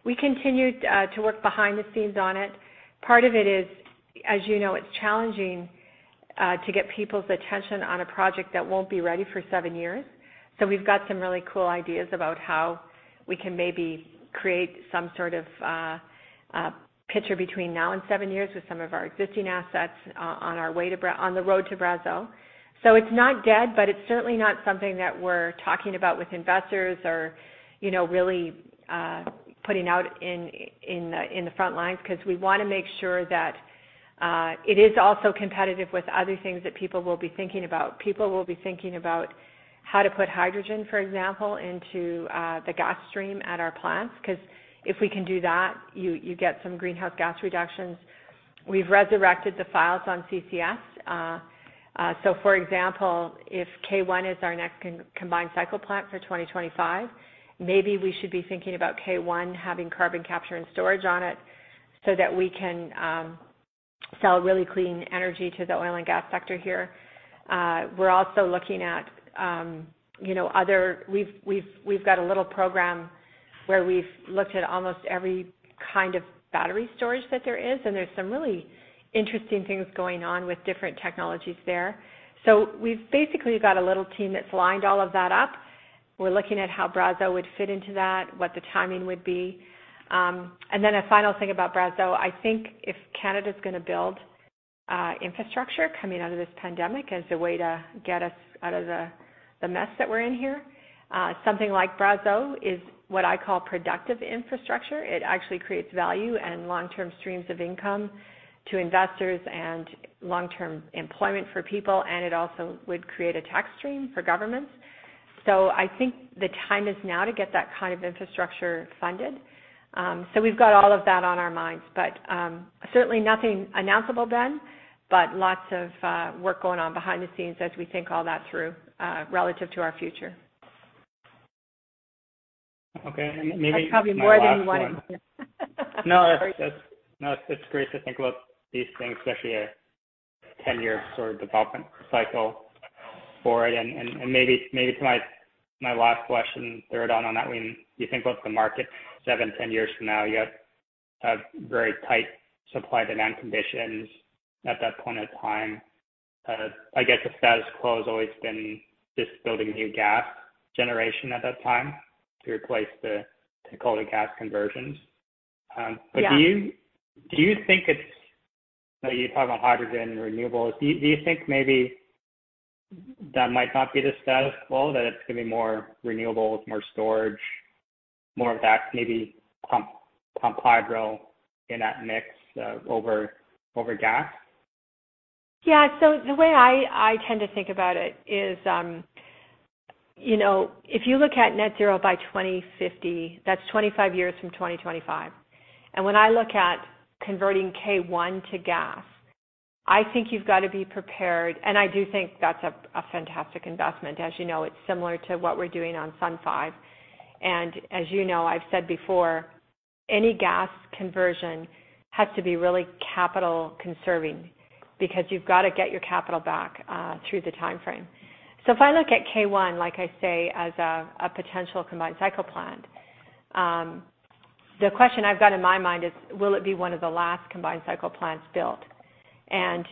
We continue to work behind the scenes on it. Part of it is, as you know, it's challenging to get people's attention on a project that won't be ready for seven years. We've got some really cool ideas about how we can maybe create some sort of picture between now and seven years with some of our existing assets on the road to Brazeau. It's not dead, but it's certainly not something that we're talking about with investors or really putting out in the front lines, because we want to make sure that it is also competitive with other things that people will be thinking about. People will be thinking about how to put hydrogen, for example, into the gas stream at our plants. If we can do that, you get some greenhouse gas reductions. We've resurrected the files on CCS. For example, if K1 is our next combined cycle plant for 2025, maybe we should be thinking about K1 having carbon capture and storage on it so that we can sell really clean energy to the oil and gas sector here. We're also looking at it. We've got a little program where we've looked at almost every kind of battery storage that there is, and there are some really interesting things going on with different technologies there. We've basically got a little team that's lined all of that up. We're looking at how Brazeau would fit into that, what the timing would be. A final thing about Brazeau, I think if Canada's going to build infrastructure coming out of this pandemic as a way to get us out of the mess that we're in here, something like Brazeau is what I call productive infrastructure. It actually creates value and long-term streams of income for investors and long-term employment for people, and it also would create a tax stream for governments. I think the time is now to get that kind of infrastructure funded. We've got all of that on our minds, but certainly nothing announceable, Ben, but lots of work is going on behind the scenes as we think all that through, relative to our future. Okay. That's probably more than you wanted. It's great to think about these things, especially a 10-year sort of development cycle for it. Maybe to my last question, the third on that one, you think about the market seven to 10 years from now. You have very tight supply-demand conditions at that point in time. I guess the status quo has always been just building new gas generation at that time to replace the coal-to-gas conversions. Yeah. You talk about hydrogen renewables. Do you think maybe that might not be the status quo, that it's going to be more renewables, more storage, more of that maybe pump hydro in that mix over gas? Yeah. The way I tend to think about it is if you look at net zero by 2050, that's 25 years from 2025. When I look at converting K1 to gas, I think you've got to be prepared, and I do think that's a fantastic investment. As you know, it's similar to what we're doing on SUN 5. As you know, I've said before, any gas conversion has to be really capital-conserving because you've got to get your capital back through the timeframe. If I look at K1, like I say, as a potential combined-cycle plant. The question I've got in my mind is, will it be one of the last combined cycle plants built? Will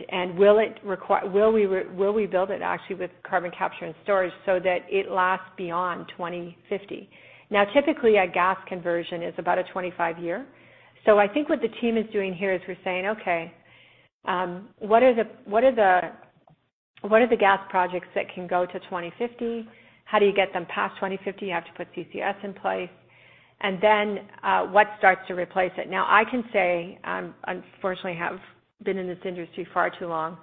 we build it actually with carbon capture and storage so that it lasts beyond 2050? Now, typically, a gas conversion is about 25 years. I think what the team is doing here is we're saying, Okay, what are the gas projects that can go to 2050? How do you get them past 2050? You have to put CCS in place. Then, what starts to replace it? Now, I can say, unfortunately, I have been in this industry far too long;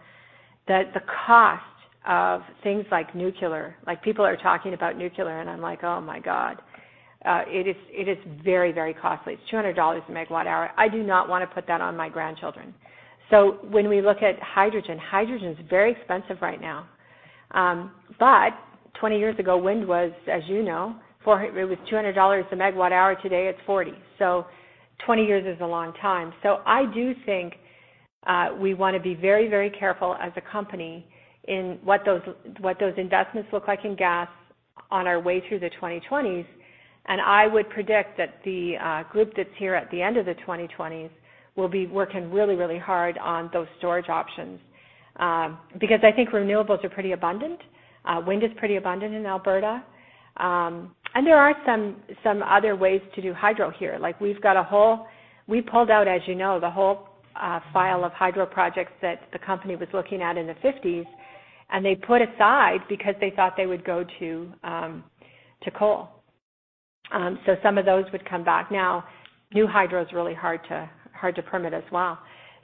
the cost of things like nuclear, like people are talking about nuclear, and I'm like, 'Oh my God.' It is very, very costly. It's 200 dollars a megawatt hour. I do not want to put that on my grandchildren. When we look at hydrogen, it's very expensive right now. 20 years ago, wind was, as you know, 200 dollars a megawatt hour. Today, it's 40. 20 years is a long time. I do think we want to be very, very careful as a company in what those investments look like in gas on our way through the 2020s. I would predict that the group that's here at the end of the 2020s will be working really, really hard on those storage options. I think renewables are pretty abundant. Wind is pretty abundant in Alberta. There are some other ways to do hydro here. We pulled out, as you know, the whole file of hydro projects that the company was looking at in the 1950s and put them aside because they thought they would go to coal. Some of those would come back now. New hydro is really hard to permit as well.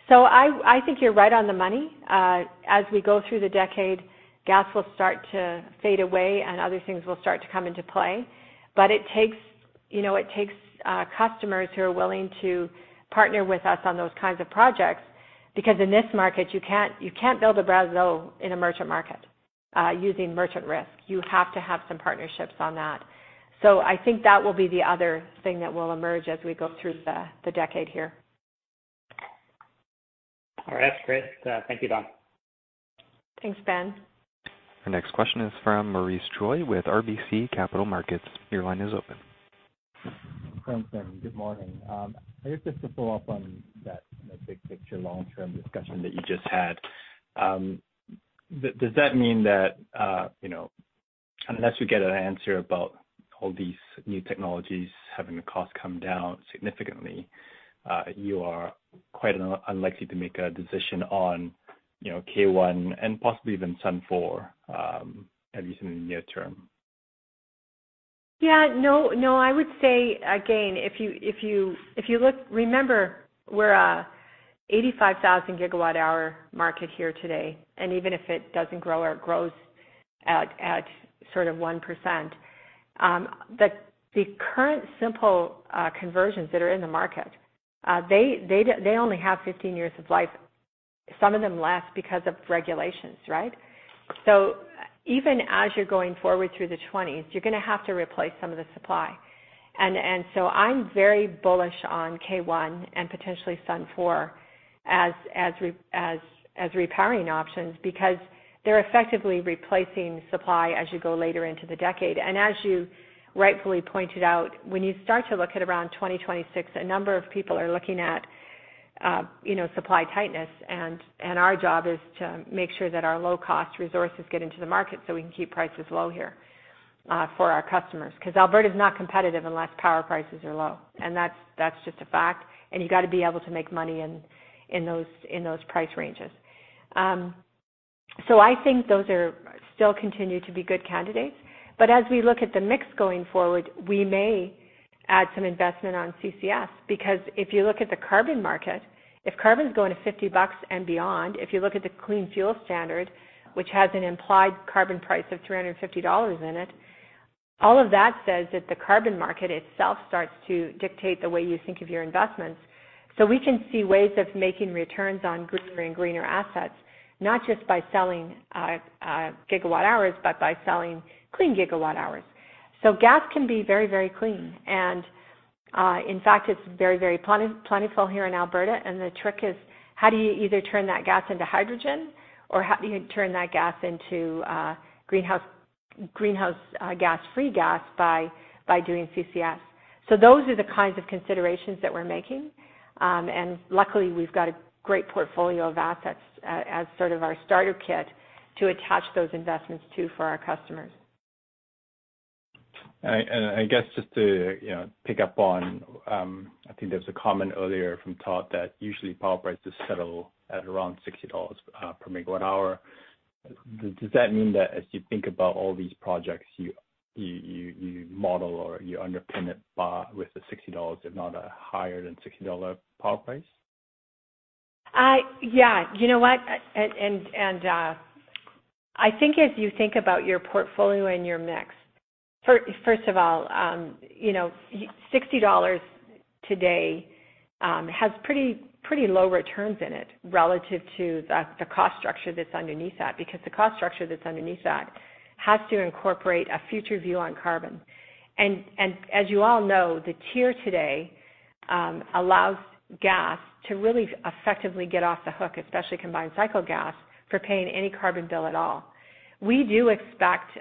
I think you're right on the money. As we go through the decade, gas will start to fade away, and other things will start to come into play. It takes customers who are willing to partner with us on those kinds of projects, because in this market, you can't build a Brazeau in a merchant market using merchant risk. You have to have some partnerships on that. I think that will be the other thing that will emerge as we go through the decade here. All right. That's great. Thank you, Dawn. Thanks, Ben. Our next question is from Maurice Choy with RBC Capital Markets. Your line is open. Hi, good morning. Just to follow up on that big picture long-term discussion that you just had. Does that mean that unless you get an answer about all these new technologies having the cost come down significantly, you are quite unlikely to make a decision on K1 and possibly even SUN 4, at least in the near term? Yeah, no. I would say, again, if you look, remember we're an 85,000 gigawatt hour market here today. Even if it doesn't grow or it grows at sort of 1%. The current simple conversions that are in the market only have 15 years of life, some of them less because of regulations, right? Even as you're going forward through the '20s, you're going to have to replace some of the supply. I'm very bullish on K1 and potentially SUN 4 as repowering options because they're effectively replacing supply as you go later into the decade. As you rightfully pointed out, when you start to look at around 2026, a number of people are looking at supply tightness, and our job is to make sure that our low-cost resources get into the market so we can keep prices low here for our customers. Alberta's not competitive unless power prices are low. That's just a fact, and you've got to be able to make money in those price ranges. I think those still continue to be good candidates. As we look at the mix going forward, we may add some investment in CCS, because if you look at the carbon market, if carbon's going to 50 bucks and beyond, and if you look at the Clean Fuel Standard, which has an implied carbon price of 350 dollars in it, all of that says that the carbon market itself starts to dictate the way you think of your investments. We can see ways of making returns on greener and greener assets, not just by selling gigawatt hours, but by selling clean gigawatt hours. Gas can be very, very clean. In fact, it's very, very plentiful here in Alberta, and the trick is how you either turn that gas into hydrogen or how you turn that gas into greenhouse-gas-free gas by doing CCS. Those are the kinds of considerations that we're making. Luckily, we've got a great portfolio of assets as sort of our starter kit to attach those investments to for our customers. I guess just to pick up on that, I think there was a comment earlier from Todd that usually power prices settle at around 60 dollars per megawatt hour. Does that mean that as you think about all these projects, you model it or you underpin it with the 60 dollars, if not a higher than 60 dollar power price? You know what? I think if you think about your portfolio and your mix, first of all, 60 dollars today has pretty low returns in it relative to the cost structure that's underneath that, because the cost structure that's underneath that has to incorporate a future view on carbon. As you all know, the TIER today allows gas to really effectively get off the hook, especially combined-cycle gas, for paying any carbon bill at all. We do expect,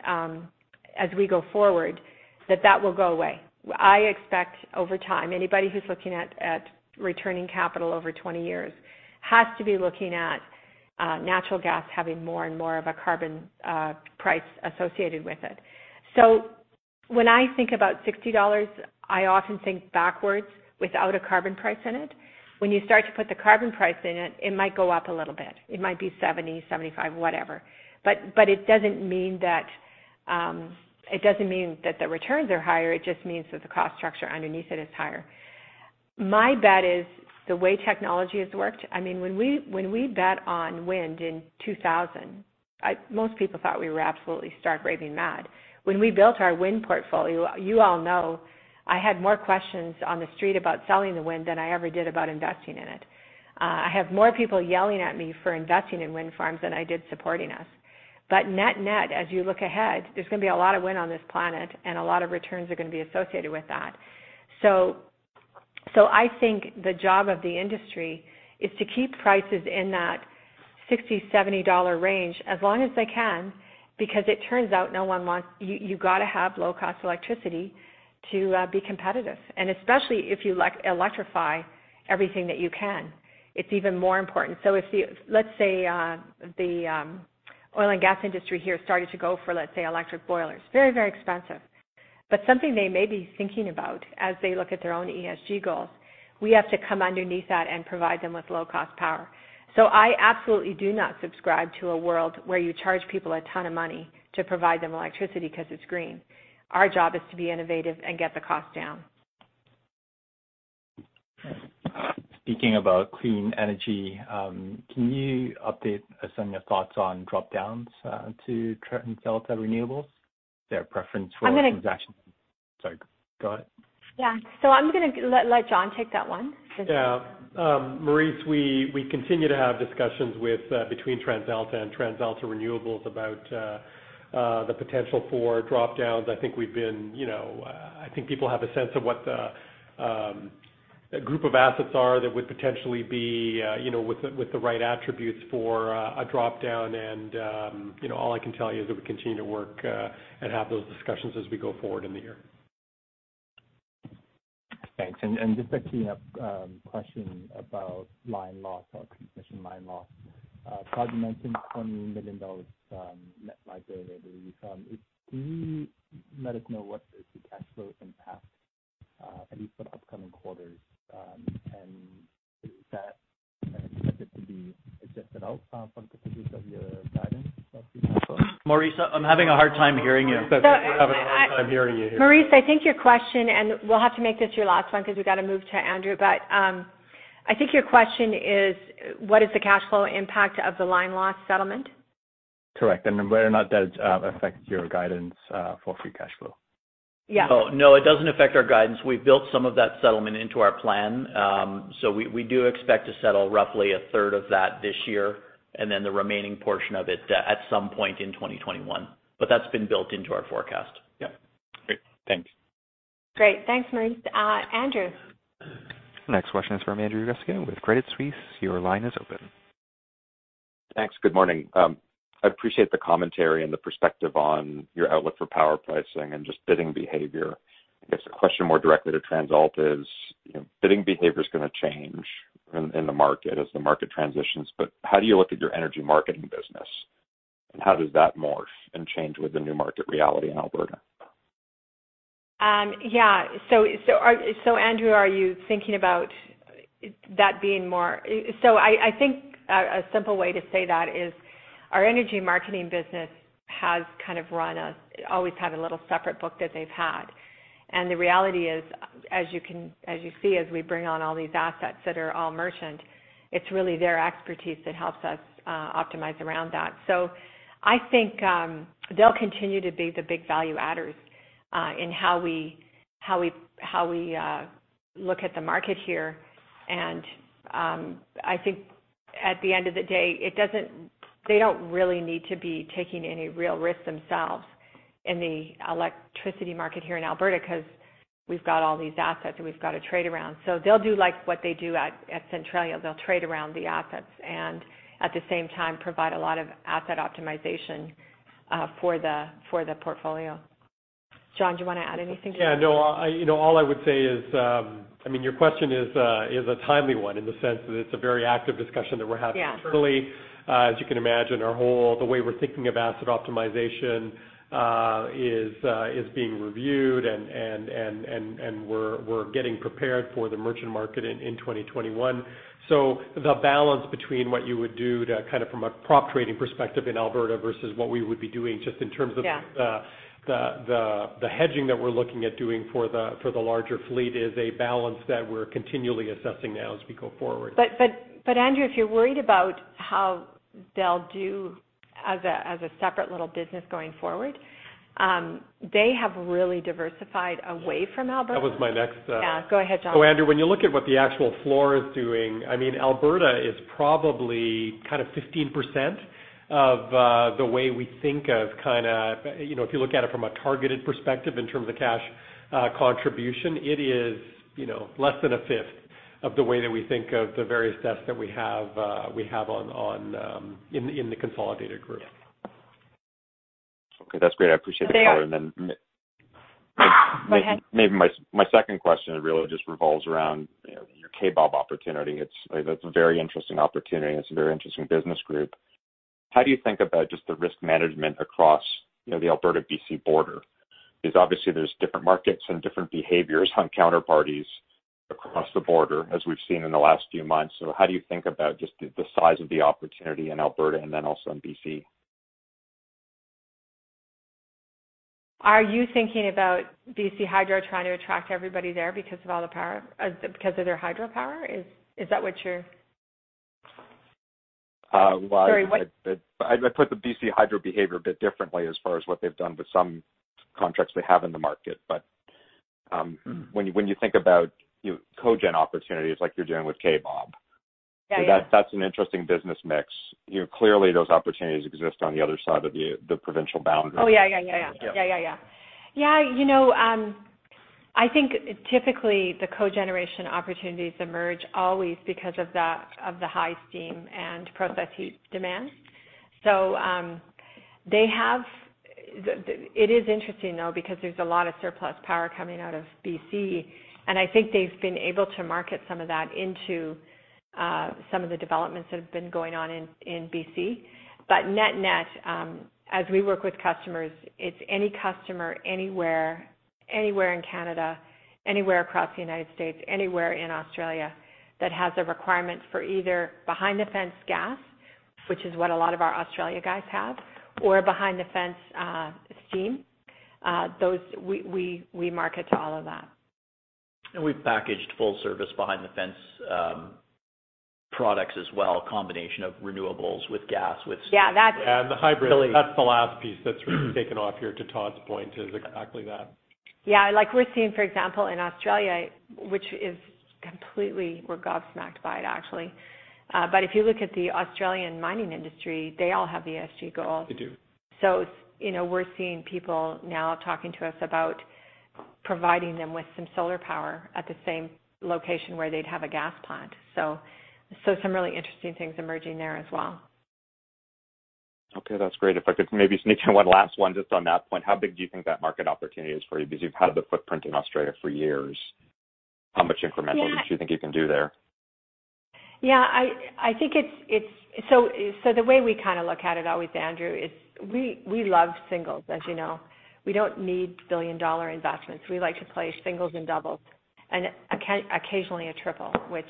as we go forward, that that will go away. I expect over time, anybody who's looking at returning capital over 20 years has to be looking at natural gas having more and more of a carbon price associated with it. When I think about 60 dollars, I often think backwards without a carbon price in it. When you start to put the carbon price in, it might go up a little bit. It might be 70-75, whatever. It doesn't mean that the returns are higher; it just means that the cost structure underneath it is higher. My bet is the way technology has worked, when we bet on wind in 2000, most people thought we were absolutely stark raving mad. When we built our wind portfolio, you all know I had more questions on The Street about selling the wind than I ever did about investing in it. I have more people yelling at me for investing in wind farms than I did supporting us. Net net, as you look ahead, there's going to be a lot of wind on this planet, and a lot of returns are going to be associated with that. I think the job of the industry is to keep prices in that 60-70 dollar range as long as they can because it turns out you've got to have low-cost electricity to be competitive, especially if you electrify everything that you can. It's even more important. Let's say the oil and gas industry here started to go for, let's say, electric boilers. Very expensive, but something they may be thinking about as they look at their own ESG goals. We have to come underneath that and provide them with low-cost power. I absolutely do not subscribe to a world where you charge people a ton of money to provide them electricity because it's green. Our job is to be innovative and get the cost down. Speaking about clean energy, can you update us on your thoughts on drop-downs to TransAlta Renewables? Is there a preference for transaction? I'm going to- Sorry, go ahead. Yeah. I'm going to let John take that one. Yeah. Maurice, we continue to have discussions between TransAlta and TransAlta Renewables about the potential for drop-downs. I think people have a sense of what the group of assets are that would potentially have the right attributes for a drop-down. All I can tell you is that we continue to work and have those discussions as we go forward in the year. Thanks. Just a cleanup question about line loss or transmission line loss. Todd mentioned a CAD 20 million net liability. Can you let us know what is the cash flow impact, at least for the upcoming quarters? Is that expected to be adjusted out from the perspective of your guidance for free cash flow? Maurice, I'm having hard time hearing you I think your question, and we'll have to make this your last one because we've got to move to Andrew, but I think your question is what is the cash flow impact of the line loss settlement? Correct. Whether or not that affects your guidance for free cash flow. Yeah. No, it doesn't affect our guidance. We've built some of that settlement into our plan. We do expect to settle roughly a third of that this year, and then the remaining portion of it at some point in 2021. That's been built into our forecast. Yeah. Great. Thanks. Great. Thanks, Maurice. Andrew. Next question is from Andrew Kuske with Credit Suisse. Your line is open. Thanks. Good morning. I appreciate the commentary and the perspective on your outlook for power pricing and just bidding behavior. I guess a question more directly to TransAlta is, bidding behavior's going to change in the market as the market transitions, but how do you look at your energy marketing business, and how does that morph and change with the new market reality in Alberta? Yeah. Andrew, are you thinking about that being more? I think a simple way to say that is our energy marketing business has kind of always had a little separate book that they've had. The reality is, as you see, as we bring on all these assets that are all merchants, it's really their expertise that helps us optimize around that. I think they'll continue to be the big value adders in how we look at the market here. I think at the end of the day, they don't really need to be taking any real risk themselves in the electricity market here in Alberta because we've got all these assets that we've got to trade around. They'll do like what they do at Centralia. They'll trade around the assets and at the same time provide a lot of asset optimization for the portfolio. John, do you want to add anything to that? Yeah, no. All I would say is, your question is a timely one in the sense that it's a very active discussion that we're having internally. Yeah. As you can imagine, the way we're thinking of asset optimization is being reviewed, and we're getting prepared for the merchant market in 2021. The balance between what you would do kind of from a prop trading perspective in Alberta versus what we would be doing just in terms of. Yeah The hedging that we're looking at doing for the larger fleet is a balance that we're continually assessing now as we go forward. Andrew, if you're worried about how they'll do as a separate little business going forward, they have really diversified away from Alberta. That was my next. Yeah. Go ahead, John. Andrew, when you look at what the actual floor is doing, Alberta is probably kind of 15% of the way we think of it; kind of, if you look at it from a targeted perspective in terms of cash contribution, it is less than a fifth of the way that we think of the various steps that we have in the consolidated group. Okay, that's great. I appreciate the color. There- And then- Go ahead. Maybe my second question really just revolves around your Kaybob opportunity. That's a very interesting opportunity. It's a very interesting business group. How do you think about just the risk management across the Alberta-BC border? Obviously, there are different markets and different behaviors of counterparties across the border, as we've seen in the last few months. How do you think about just the size of the opportunity in Alberta and then also in BC? Are you thinking about BC Hydro trying to attract everybody there because of their hydropower? Is that what you are? I'd put the BC Hydro behavior a bit differently as far as what they've done with some contracts they have on the market. When you think about cogen opportunities, like you're doing with Kaybob. Yeah, yeah. that's an interesting business mix. Clearly, those opportunities exist on the other side of the provincial boundary. Oh, yeah. Yeah. Yeah. I think, typically, the cogeneration opportunities emerge always because of the high steam and process heat demand. It is interesting, though, because there's a lot of surplus power coming out of BC, and I think they've been able to market some of that into some of the developments that have been going on in BC. Net-net, as we work with customers, it's any customer anywhere in Canada, anywhere across the U.S., or anywhere in Australia that has a requirement for either behind-the-fence gas, which is what a lot of our Australian guys have, or behind-the-fence steam. We market to all of that. We've packaged full-service behind-the-fence products as well, a combination of renewables with gas and with steam. Yeah. The hybrid. That's the last piece that's really taken off here; to Todd's point, it is exactly that. Yeah. We're seeing, for example, in Australia, which is completely—we're gobsmacked by it, actually. If you look at the Australian mining industry, they all have ESG goals. They do. We're seeing people now talking to us about providing them with some solar power at the same location where they'd have a gas plant. Some really interesting things emerging there as well. Okay, that's great. If I could maybe sneak in one last one just on that point, how big do you think that market opportunity is for you? Because you've had the footprint in Australia for years. How much incremental? Yeah Do you think you can do it there? Yeah. The way we look at it always, Andrew, is we love singles, as you know. We don't need billion-dollar investments. We like to play singles and doubles and occasionally a triple, which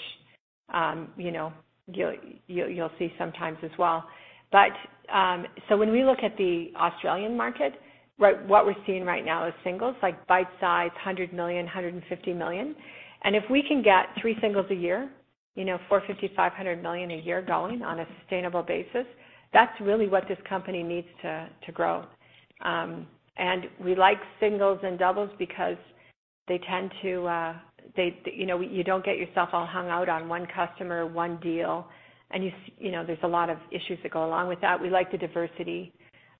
you'll see sometimes as well. When we look at the Australian market, what we're seeing right now is singles, like bite-size, 100 million-150 million. If we can get three singles a year, 450 million-500 million a year going on a sustainable basis, that's really what this company needs to grow. We like singles and doubles because you don't get yourself all hung up on one customer and one deal, and there are a lot of issues that go along with that. We like the diversity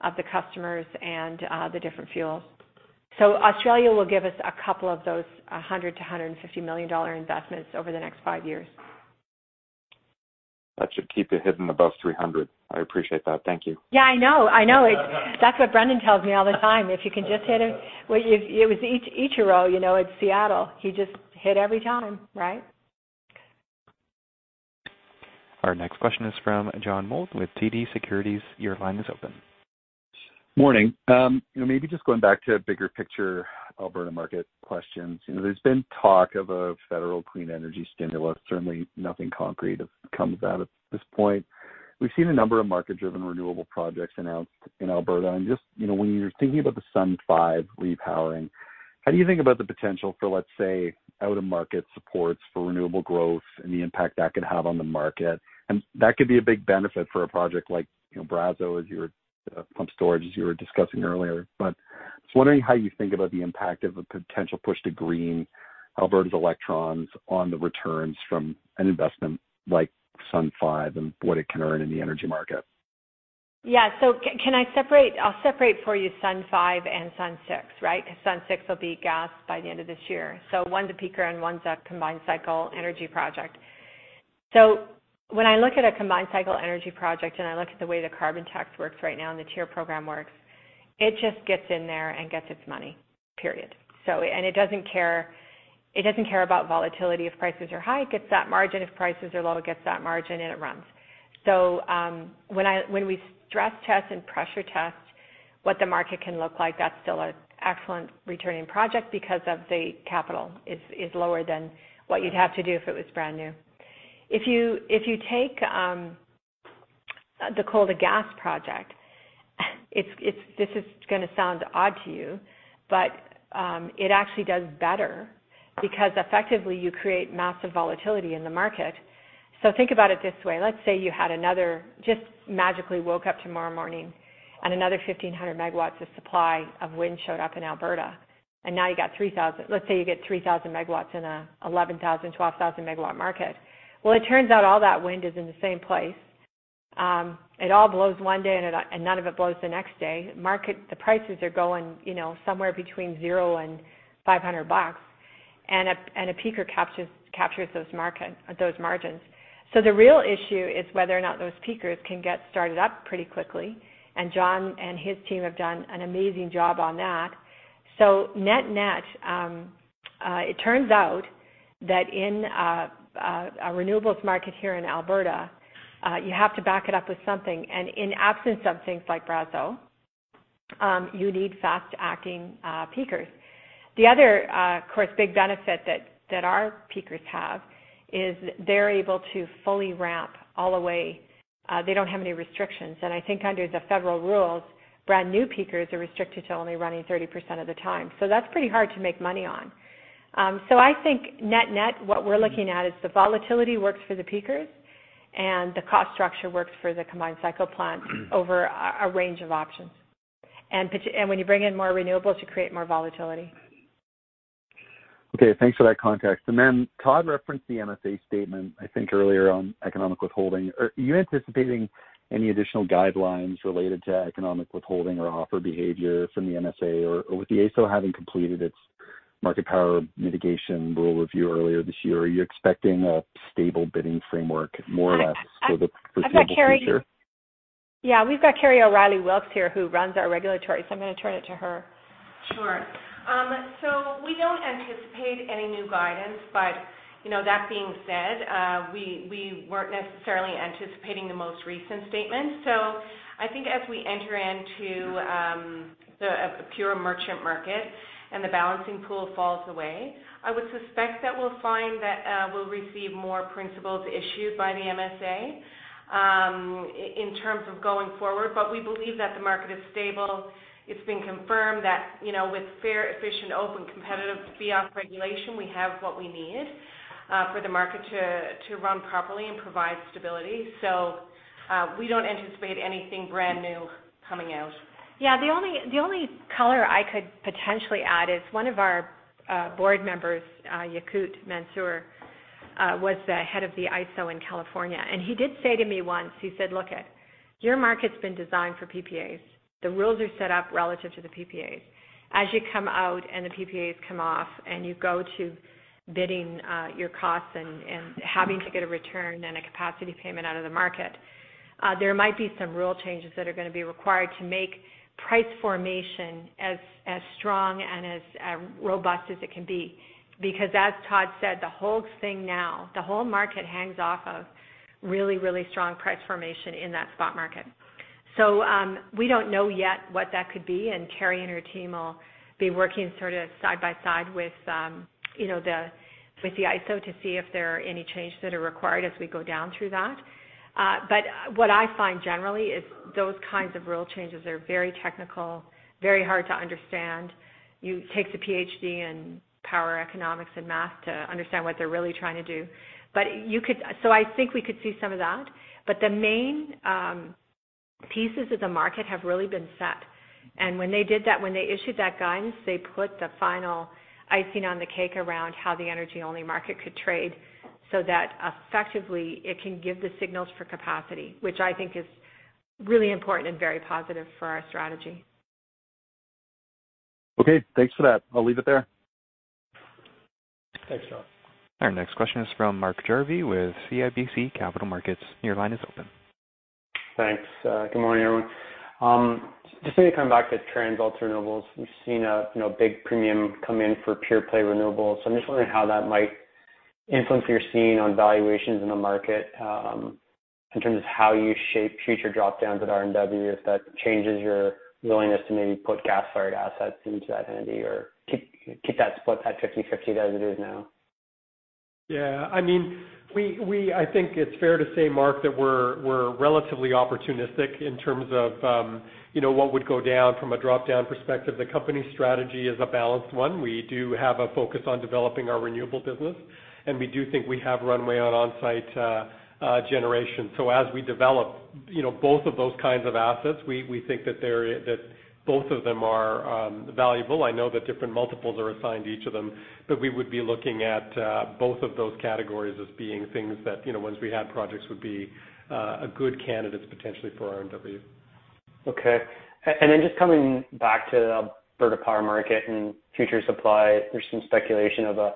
of the customers and the different fuels. Australia will give us a couple of those 100 million-150 million dollar investments over the next five years. That should keep it hidden above 300. I appreciate that. Thank you. Yeah, I know. I know. That's what Brendan tells me all the time. If you can just hit it. Well, it was Ichiro at Seattle. He just hit every time, right? Our next question is from John Mould with TD Securities. Your line is open. Morning. Maybe just going back to bigger-picture Alberta market questions. There's been talk of a federal clean energy stimulus; certainly nothing concrete has come out at this point. We've seen a number of market-driven renewable projects announced in Alberta. Just when you're thinking about the Sun5 repowering, how do you think about the potential for, let's say, out-of-market support for renewable growth and the impact that could have on the market? That could be a big benefit for a project like Brazeau pump storage, as you were discussing earlier. I was wondering how you think about the impact of a potential push to green Alberta's electrons on the returns from an investment like Sun5 and what it can earn in the energy market. Yeah. I'll separate for you SUN 5 and SUN 6, right? Because Sun6 will be gas by the end of this year. One's a peaker, and one's a combined-cycle energy project. When I look at a combined cycle energy project and I look at the way the carbon tax works right now and the TIER program works, it just gets in there and gets its money, period. It doesn't care about volatility. If prices are high, it gets that margin. If prices are low, it gets that margin and it runs. When we stress test and pressure test what the market can look like, that's still an excellent returning project because the capital is lower than what you'd have to do if it was brand new. If you take the coal-to-gas project, this is going to sound odd to you, but it actually does better because, effectively, you create massive volatility in the market. Think about it this way. Let's say you just magically woke up tomorrow morning, and another 1,500 MW of supply of wind showed up in Alberta. Let's say you get 3,000 MW in an 11,000-12,000-MW market. Well, it turns out all that wind is in the same place. It all blows one day, and none of it blows the next day. The prices are going somewhere between zero and 500 bucks. A peaker captures those margins. The real issue is whether or not those peakers can get started up pretty quickly. John and his team have done an amazing job on that. Net-net, it turns out that in a renewables market here in Alberta, you have to back it up with something. In the absence of things like Brazeau, you need fast-acting peak performers. The other, of course, big benefit that our peakers have is they're able to fully ramp all the way. They don't have any restrictions. I think under the federal rules, brand new peakers are restricted to only running 30% of the time. That's pretty hard to make money on. I think net-net, what we're looking at is the volatility works for the peakers and the cost structure works for the combined cycle plant over a range of options. When you bring in more renewables, you create more volatility. Okay. Thanks for that context. Todd referenced the MSA statement, I think earlier, on economic withholding. Are you anticipating any additional guidelines related to economic withholding or offer behavior from the MSA? With the AESO having completed its market power mitigation rule review earlier this year, are you expecting a stable bidding framework more or less for the foreseeable future? We've got Kerry O'Reilly Wilks here, who runs our regulatory, so I'm going to turn it over to her. Sure. We don't anticipate any new guidance, but that being said, we weren't necessarily anticipating the most recent statement. I think as we enter into the pure merchant market and the Balancing Pool falls away, I would suspect that we'll find that we'll receive more principles issued by the MSA in terms of going forward. We believe that the market is stable. It's been confirmed that with fair, efficient, open, and competitive beyond regulation, we have what we need for the market to run properly and provide stability. We don't anticipate anything brand new coming out. Yeah, the only color I could potentially add is one of our board members. Yakout Mansour was the head of the AESO in California, and he did say to me once, Look, your market's been designed for PPAs. The rules are set up relative to the PPAs. As you come out and the PPAs come off and you go to bidding your costs and having to get a return and a capacity payment out of the market, there might be some rule changes that are going to be required to make price formation as strong and as robust as it can be. Because as Todd said, the whole thing now, the whole market hangs off of really, really strong price formation in that spot market. We don't know yet what that could be, and Kerry and her team will be working sort of side by side with the AESO to see if there are any changes that are required as we go down through that. What I find generally is those kinds of rule changes are very technical, very hard to understand. It takes a PhD in power economics and math to understand what they're really trying to do. I think we could see some of that. The main pieces of the market have really been set. When they did that, when they issued that guidance, they put the final icing on the cake around how the energy-only market could trade so that effectively it could give the signals for capacity, which I think is really important and very positive for our strategy. Okay, thanks for that. I'll leave it there. Thanks, John. Our next question is from Mark Jarvi with CIBC Capital Markets. Your line is open. Thanks. Good morning, everyone. Just maybe coming back to TransAlta Renewables, we've seen a big premium come in for pure-play renewables. I'm just wondering how that might influence your scene on valuations in the market in terms of how you shape future drop-downs at RNW, if that changes your willingness to maybe put gas-fired assets into that entity or keep that split at 50/50 as it is now. Yeah, I think it's fair to say, Mark, that we're relatively opportunistic in terms of what would go down from a drop-down perspective. The company strategy is a balanced one. We do have a focus on developing our renewable business. We do think we have runway on-site generation. As we develop both of those kinds of assets, we think that both of them are valuable. I know that different multiples are assigned to each of them. We would be looking at both of those categories as being things that, once we had projects, would be good candidates potentially for RNW. Okay. Just coming back to the Alberta power market and future supply. There's some speculation of a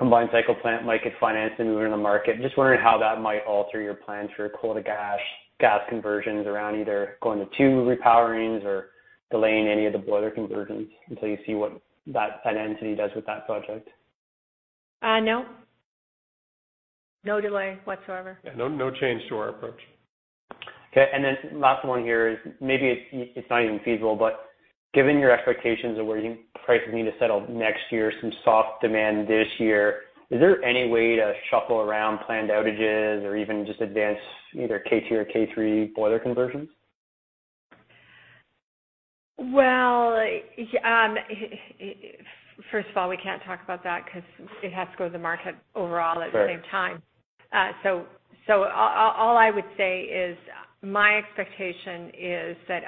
combined cycle plant might get financed and move in the market. Just wondering how that might alter your plans for coal-to-gas conversions around either going to two repowerings or delaying any of the boiler conversions until you see what that entity does with that project. No. No delay whatsoever. Yeah, no change to our approach. Okay. Last one here is maybe it's not even feasible, but given your expectations of where your prices need to settle next year and some soft demand this year, is there any way to shuffle around planned outages or even just advance either K2 or K3 boiler conversions? Well, first of all, we can't talk about that because it has to go to the market overall at the same time. Right. All I would say is my expectation is that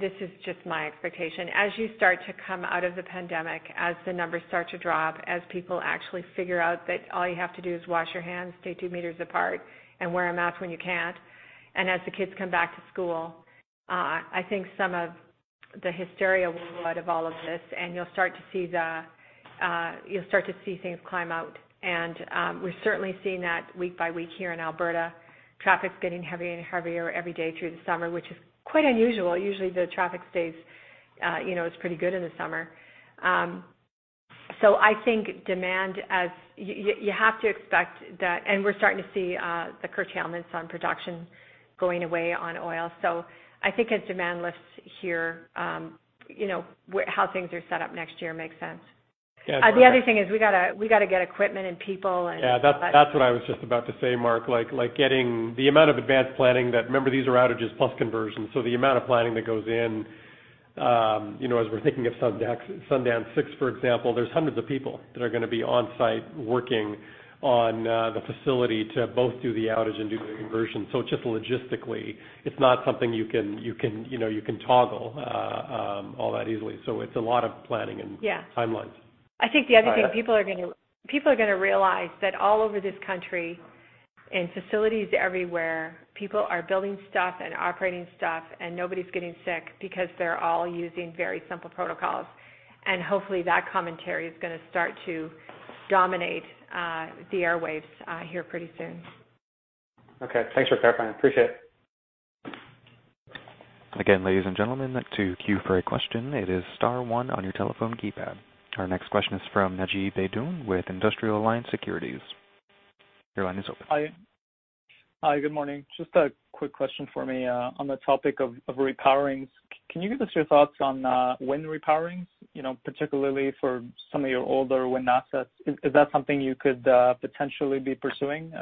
this is just my expectation. As you start to come out of the pandemic, as the numbers start to drop, as people actually figure out that all you have to do is wash your hands, stay two meters apart, and wear a mask when you can't, and as the kids come back to school, I think some of the hysteria will be out of all of this, and you'll start to see things climb out. We're certainly seeing that week by week here in Alberta. Traffic's getting heavier and heavier every day through the summer, which is quite unusual. Usually, the traffic is pretty good in the summer. I think demand, you have to expect that And we're starting to see the curtailments on production going away on oil. I think as demand lifts here, how things are set up next year makes sense. Yeah. The other thing is we got to get equipment and people. Yeah. That's what I was just about to say, Mark. The amount of advanced planning that—remember, these are outages plus conversions—so the amount of planning that goes in, as we're thinking of Sundance 6, for example, there are hundreds of people that are going to be on-site working on the facility to both do the outage and do the conversion. Just logistically, it's not something you can toggle all that easily. It's a lot of planning. Yeah timelines. I think the other thing people are going to realize is that all over this country, in facilities everywhere, people are building stuff and operating stuff, and nobody's getting sick because they're all using very simple protocols. Hopefully, that commentary is going to start to dominate the airwaves here pretty soon. Okay. Thanks for clarifying. Appreciate it. Again, ladies and gentlemen, to queue for a question, it is star one on your telephone keypad. Our next question is from Naji Baydoun with Industrial Alliance Securities. Your line is open. Hi. Good morning. Just a quick question for me. On the topic of repowerings, can you give us your thoughts on wind repowerings, particularly for some of your older wind assets? Is that something you could potentially be pursuing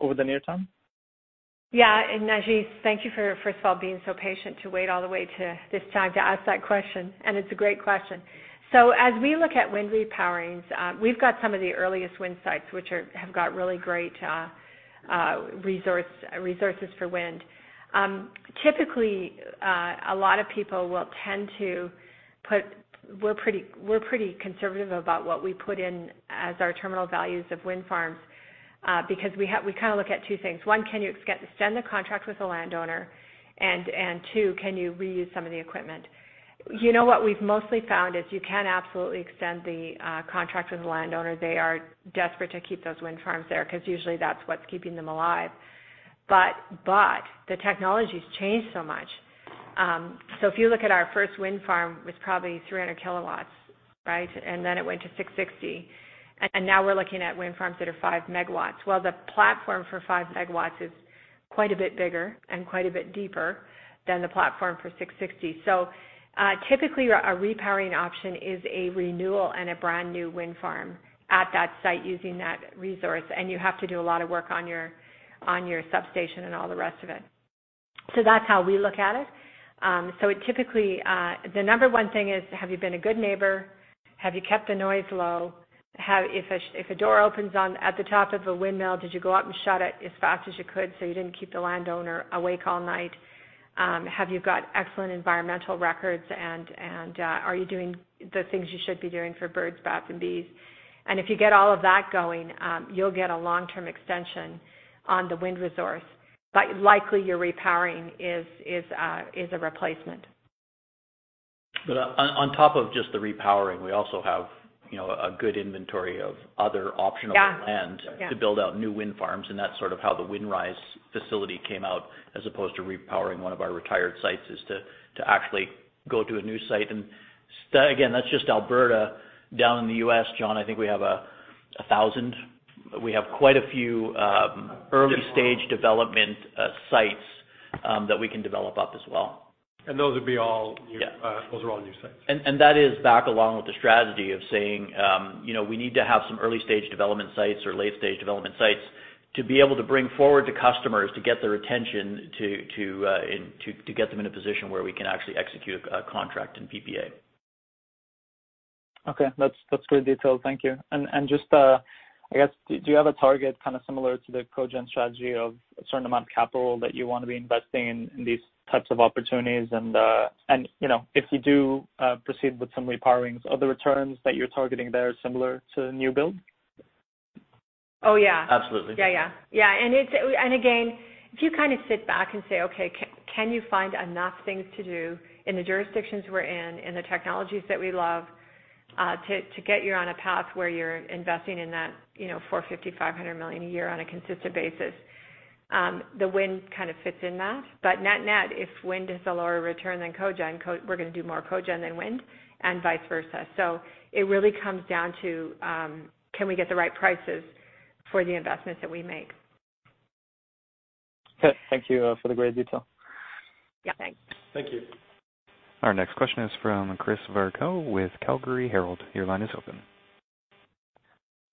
over the near term? Yeah. Naji, thank you for, first of all, being so patient to wait all the way to this time to ask that question, and it's a great question. As we look at wind repowerings, we've got some of the earliest wind sites, which have got really great resources for wind. Typically, a lot of people will tend to. We're pretty conservative about what we put in as our terminal values of wind farms because we look at two things. One, can you extend the contract with the landowner? Two, can you reuse some of the equipment? What we've mostly found is you can absolutely extend the contract with the landowner. They are desperate to keep those wind farms there, because usually that's what's keeping them alive. The technology's changed so much. If you look at our first wind farm, it was probably 300 kW, right? Then it went to 660. Now we're looking at wind farms that are 5 MW. The platform for 5 MW is quite a bit bigger and quite a bit deeper than the platform for 660. Typically, a repowering option is a renewal and a brand-new wind farm at that site using that resource, and you have to do a lot of work on your substation and all the rest of it. That's how we look at it. Typically, the number one thing is, have you been a good neighbor? Have you kept the noise low? If a door opens at the top of a windmill, did you go up and shut it as fast as you could so you didn't keep the landowner awake all night? Have you got excellent environmental records, and are you doing the things you should be doing for birds, bats, and bees? If you get all of that going, you'll get a long-term extension on the wind resource. Likely, your repowering is a replacement. On top of just the repowering, we also have a good inventory of other options. Yeah to build out new wind farms, and that's sort of how the Windrise facility came about as opposed to repowering one of our retired sites, which is to actually go to a new site. Again, that's just Alberta. Down in the U.S., John, I think we have 1,000. We have quite a few early-stage development sites that we can develop as well. Those would be all new. Yeah. Those are all new sites. That is back along with the strategy of saying we need to have some early-stage development sites or late-stage development sites to be able to bring forward to customers to get their attention, to get them in a position where we can actually execute a contract and PPA. Okay. That's great detail. Thank you. Just, I guess, do you have a target similar to the cogent strategy of a certain amount of capital that you want to be investing in these types of opportunities? If you do proceed with some repowerings, are the returns that you're targeting there similar to new builds? Oh, yeah. Absolutely. Yeah. Again, if you sit back and say, okay, can you find enough things to do in the jurisdictions we're in and the technologies that we love to get you on a path where you're investing in that 450 million-500 million a year on a consistent basis? The wind kind of fits in that. Net net, if wind is a lower return than cogen, we're going to do more cogen than wind and vice versa. It really comes down to, can we get the right prices for the investments that we make? Okay. Thank you for the great detail. Yeah. Thanks. Thank you. Our next question is from Chris Varcoe with Calgary Herald. Your line is open.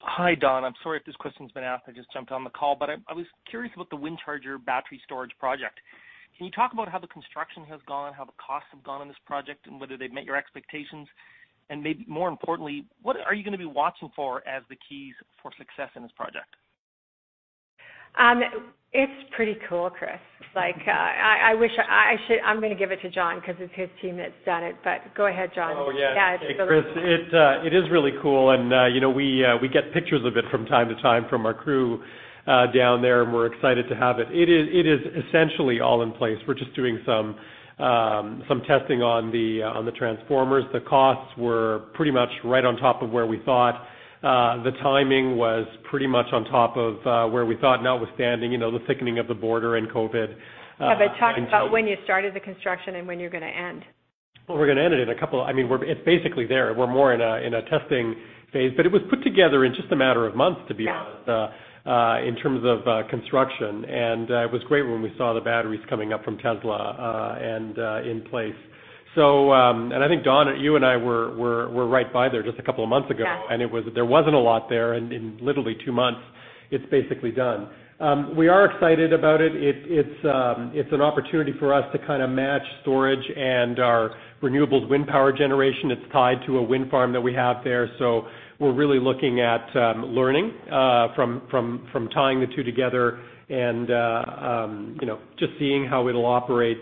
Hi, Dawn. I'm sorry if this question's been asked. I just jumped on the call. I was curious about the WindCharger battery storage project. Can you talk about how the construction has gone, how the costs have gone on this project, and whether they've met your expectations? Maybe more importantly, what are you going to be watching for as the keys to success in this project? It's pretty cool, Chris. I'm going to give it to John because it's his team that's done it, but go ahead, John. Oh, yeah. Yeah, it's really cool. Hey, Chris. It is really cool, and we get pictures of it from time to time from our crew down there, and we're excited to have it. It is essentially all in place. We're just doing some testing on the transformers. The costs were pretty much right on top of where we thought. The timing was pretty much on top of where we thought, notwithstanding the thickening of the border and COVID. Yeah, talk about when you started the construction and when you're going to end it? Well, it's basically there. We're more in a testing phase. It was put together in just a matter of months, to be honest. Yeah in terms of construction. It was great when we saw the batteries coming up from Tesla and in place. I think, Dawn, you and I were right by there just a couple of months ago. Yeah. There wasn't a lot there. In literally two months, it's basically done. We are excited about it. It's an opportunity for us to match storage and our renewable wind power generation. It's tied to a wind farm that we have there. We're really looking at learning from tying the two together and just seeing how it'll operate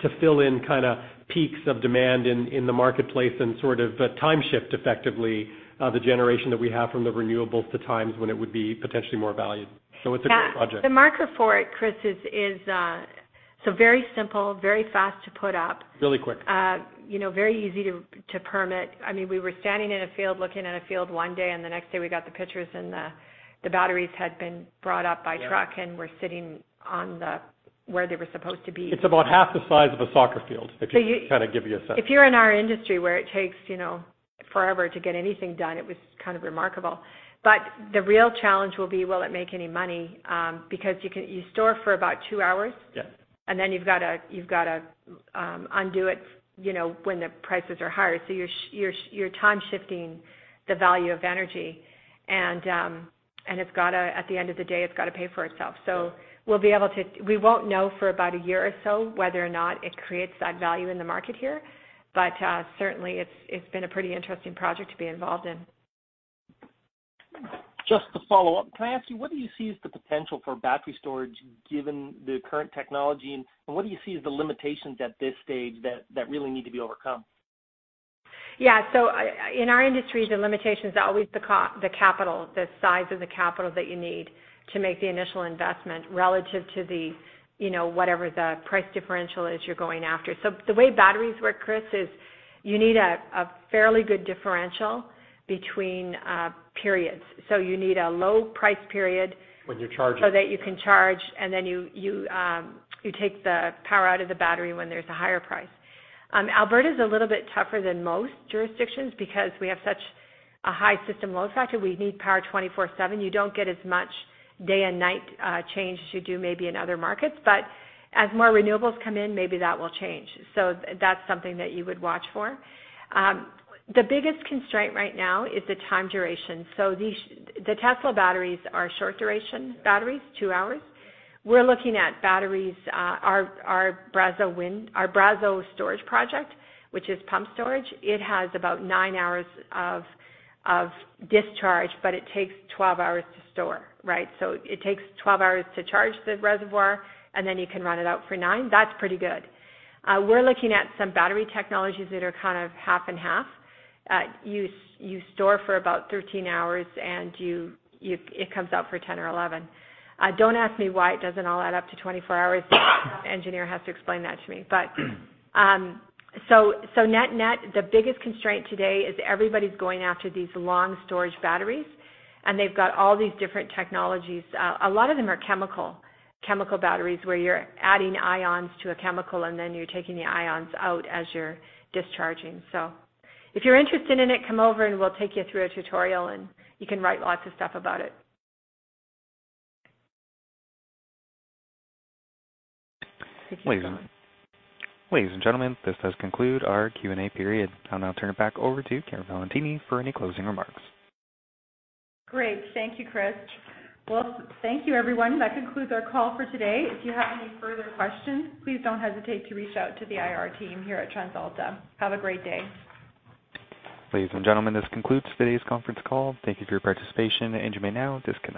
to fill in peaks of demand in the marketplace and time shift, effectively, the generation that we have from the renewables to times when it would be potentially more valued. It's a great project. Yeah. The marker for it, Chris, is very simple, very fast to put up. Really quick. Very easy to permit. We were standing in a field looking at a field one day. The next day we got the pictures, and the batteries had been brought up by truck. Yeah We're sitting where they were supposed to be. It's about half the size of a soccer field, to kind of give you a sense. If you're in our industry, where it takes forever to get anything done, it is kind of remarkable. The real challenge will be, will it make any money? Because you store for about two hours. Yeah Then you've got to undo it when the prices are higher. You're time-shifting the value of energy. At the end of the day, it's got to pay for itself. Yeah. We won't know for about a year or so whether or not it creates that value in the market here. Certainly, it's been a pretty interesting project to be involved in. Just to follow up, can I ask you, what do you see as the potential for battery storage given the current technology, and what do you see as the limitations at this stage that really need to be overcome? Yeah. In our industry, the limitation's always the capital, the size of the capital that you need to make the initial investment relative to whatever the price differential is that you're going after. The way batteries work, Chris, is you need a fairly good differential between periods. You need a low-price period. When you're charging. You can charge, and then you take the power out of the battery when there's a higher price. Alberta's a little bit tougher than most jurisdictions because we have such a high system load factor. We need power 24/7. You don't get as much day and night change as you do maybe in other markets. As more renewables come in, maybe that will change. That's something that you would watch for. The biggest constraint right now is the time duration. The Tesla batteries are short-duration batteries. Yeah. Two hours. Yeah. We're looking at batteries, our Brazeau Storage Project, which is pump storage. It has about nine hours of discharge, but it takes 12 hours to store. It takes 12 hours to charge the reservoir, and then you can run it out for nine. That's pretty good. We're looking at some battery technologies that are kind of half and half. You store for about 13 hours, and it comes out for 10 or 11. Don't ask me why it doesn't all add up to 24 hours. The engineer has to explain that to me. Net, the biggest constraint today is everybody's going after these long-storage batteries, and they've got all these different technologies. A lot of them are chemical batteries, where you're adding ions to a chemical and then you're taking the ions out as you're discharging. If you're interested in it, come over, and we'll take you through a tutorial, and you can write lots of stuff about it. Ladies and gentlemen, this does conclude our Q&A period. I'll now turn it back over to Chiara Valentini for any closing remarks. Great. Thank you, Chris. Well, thank you, everyone. That concludes our call for today. If you have any further questions, please don't hesitate to reach out to the IR team here at TransAlta. Have a great day. Ladies and gentlemen, this concludes today's conference call. Thank you for your participation, and you may now disconnect.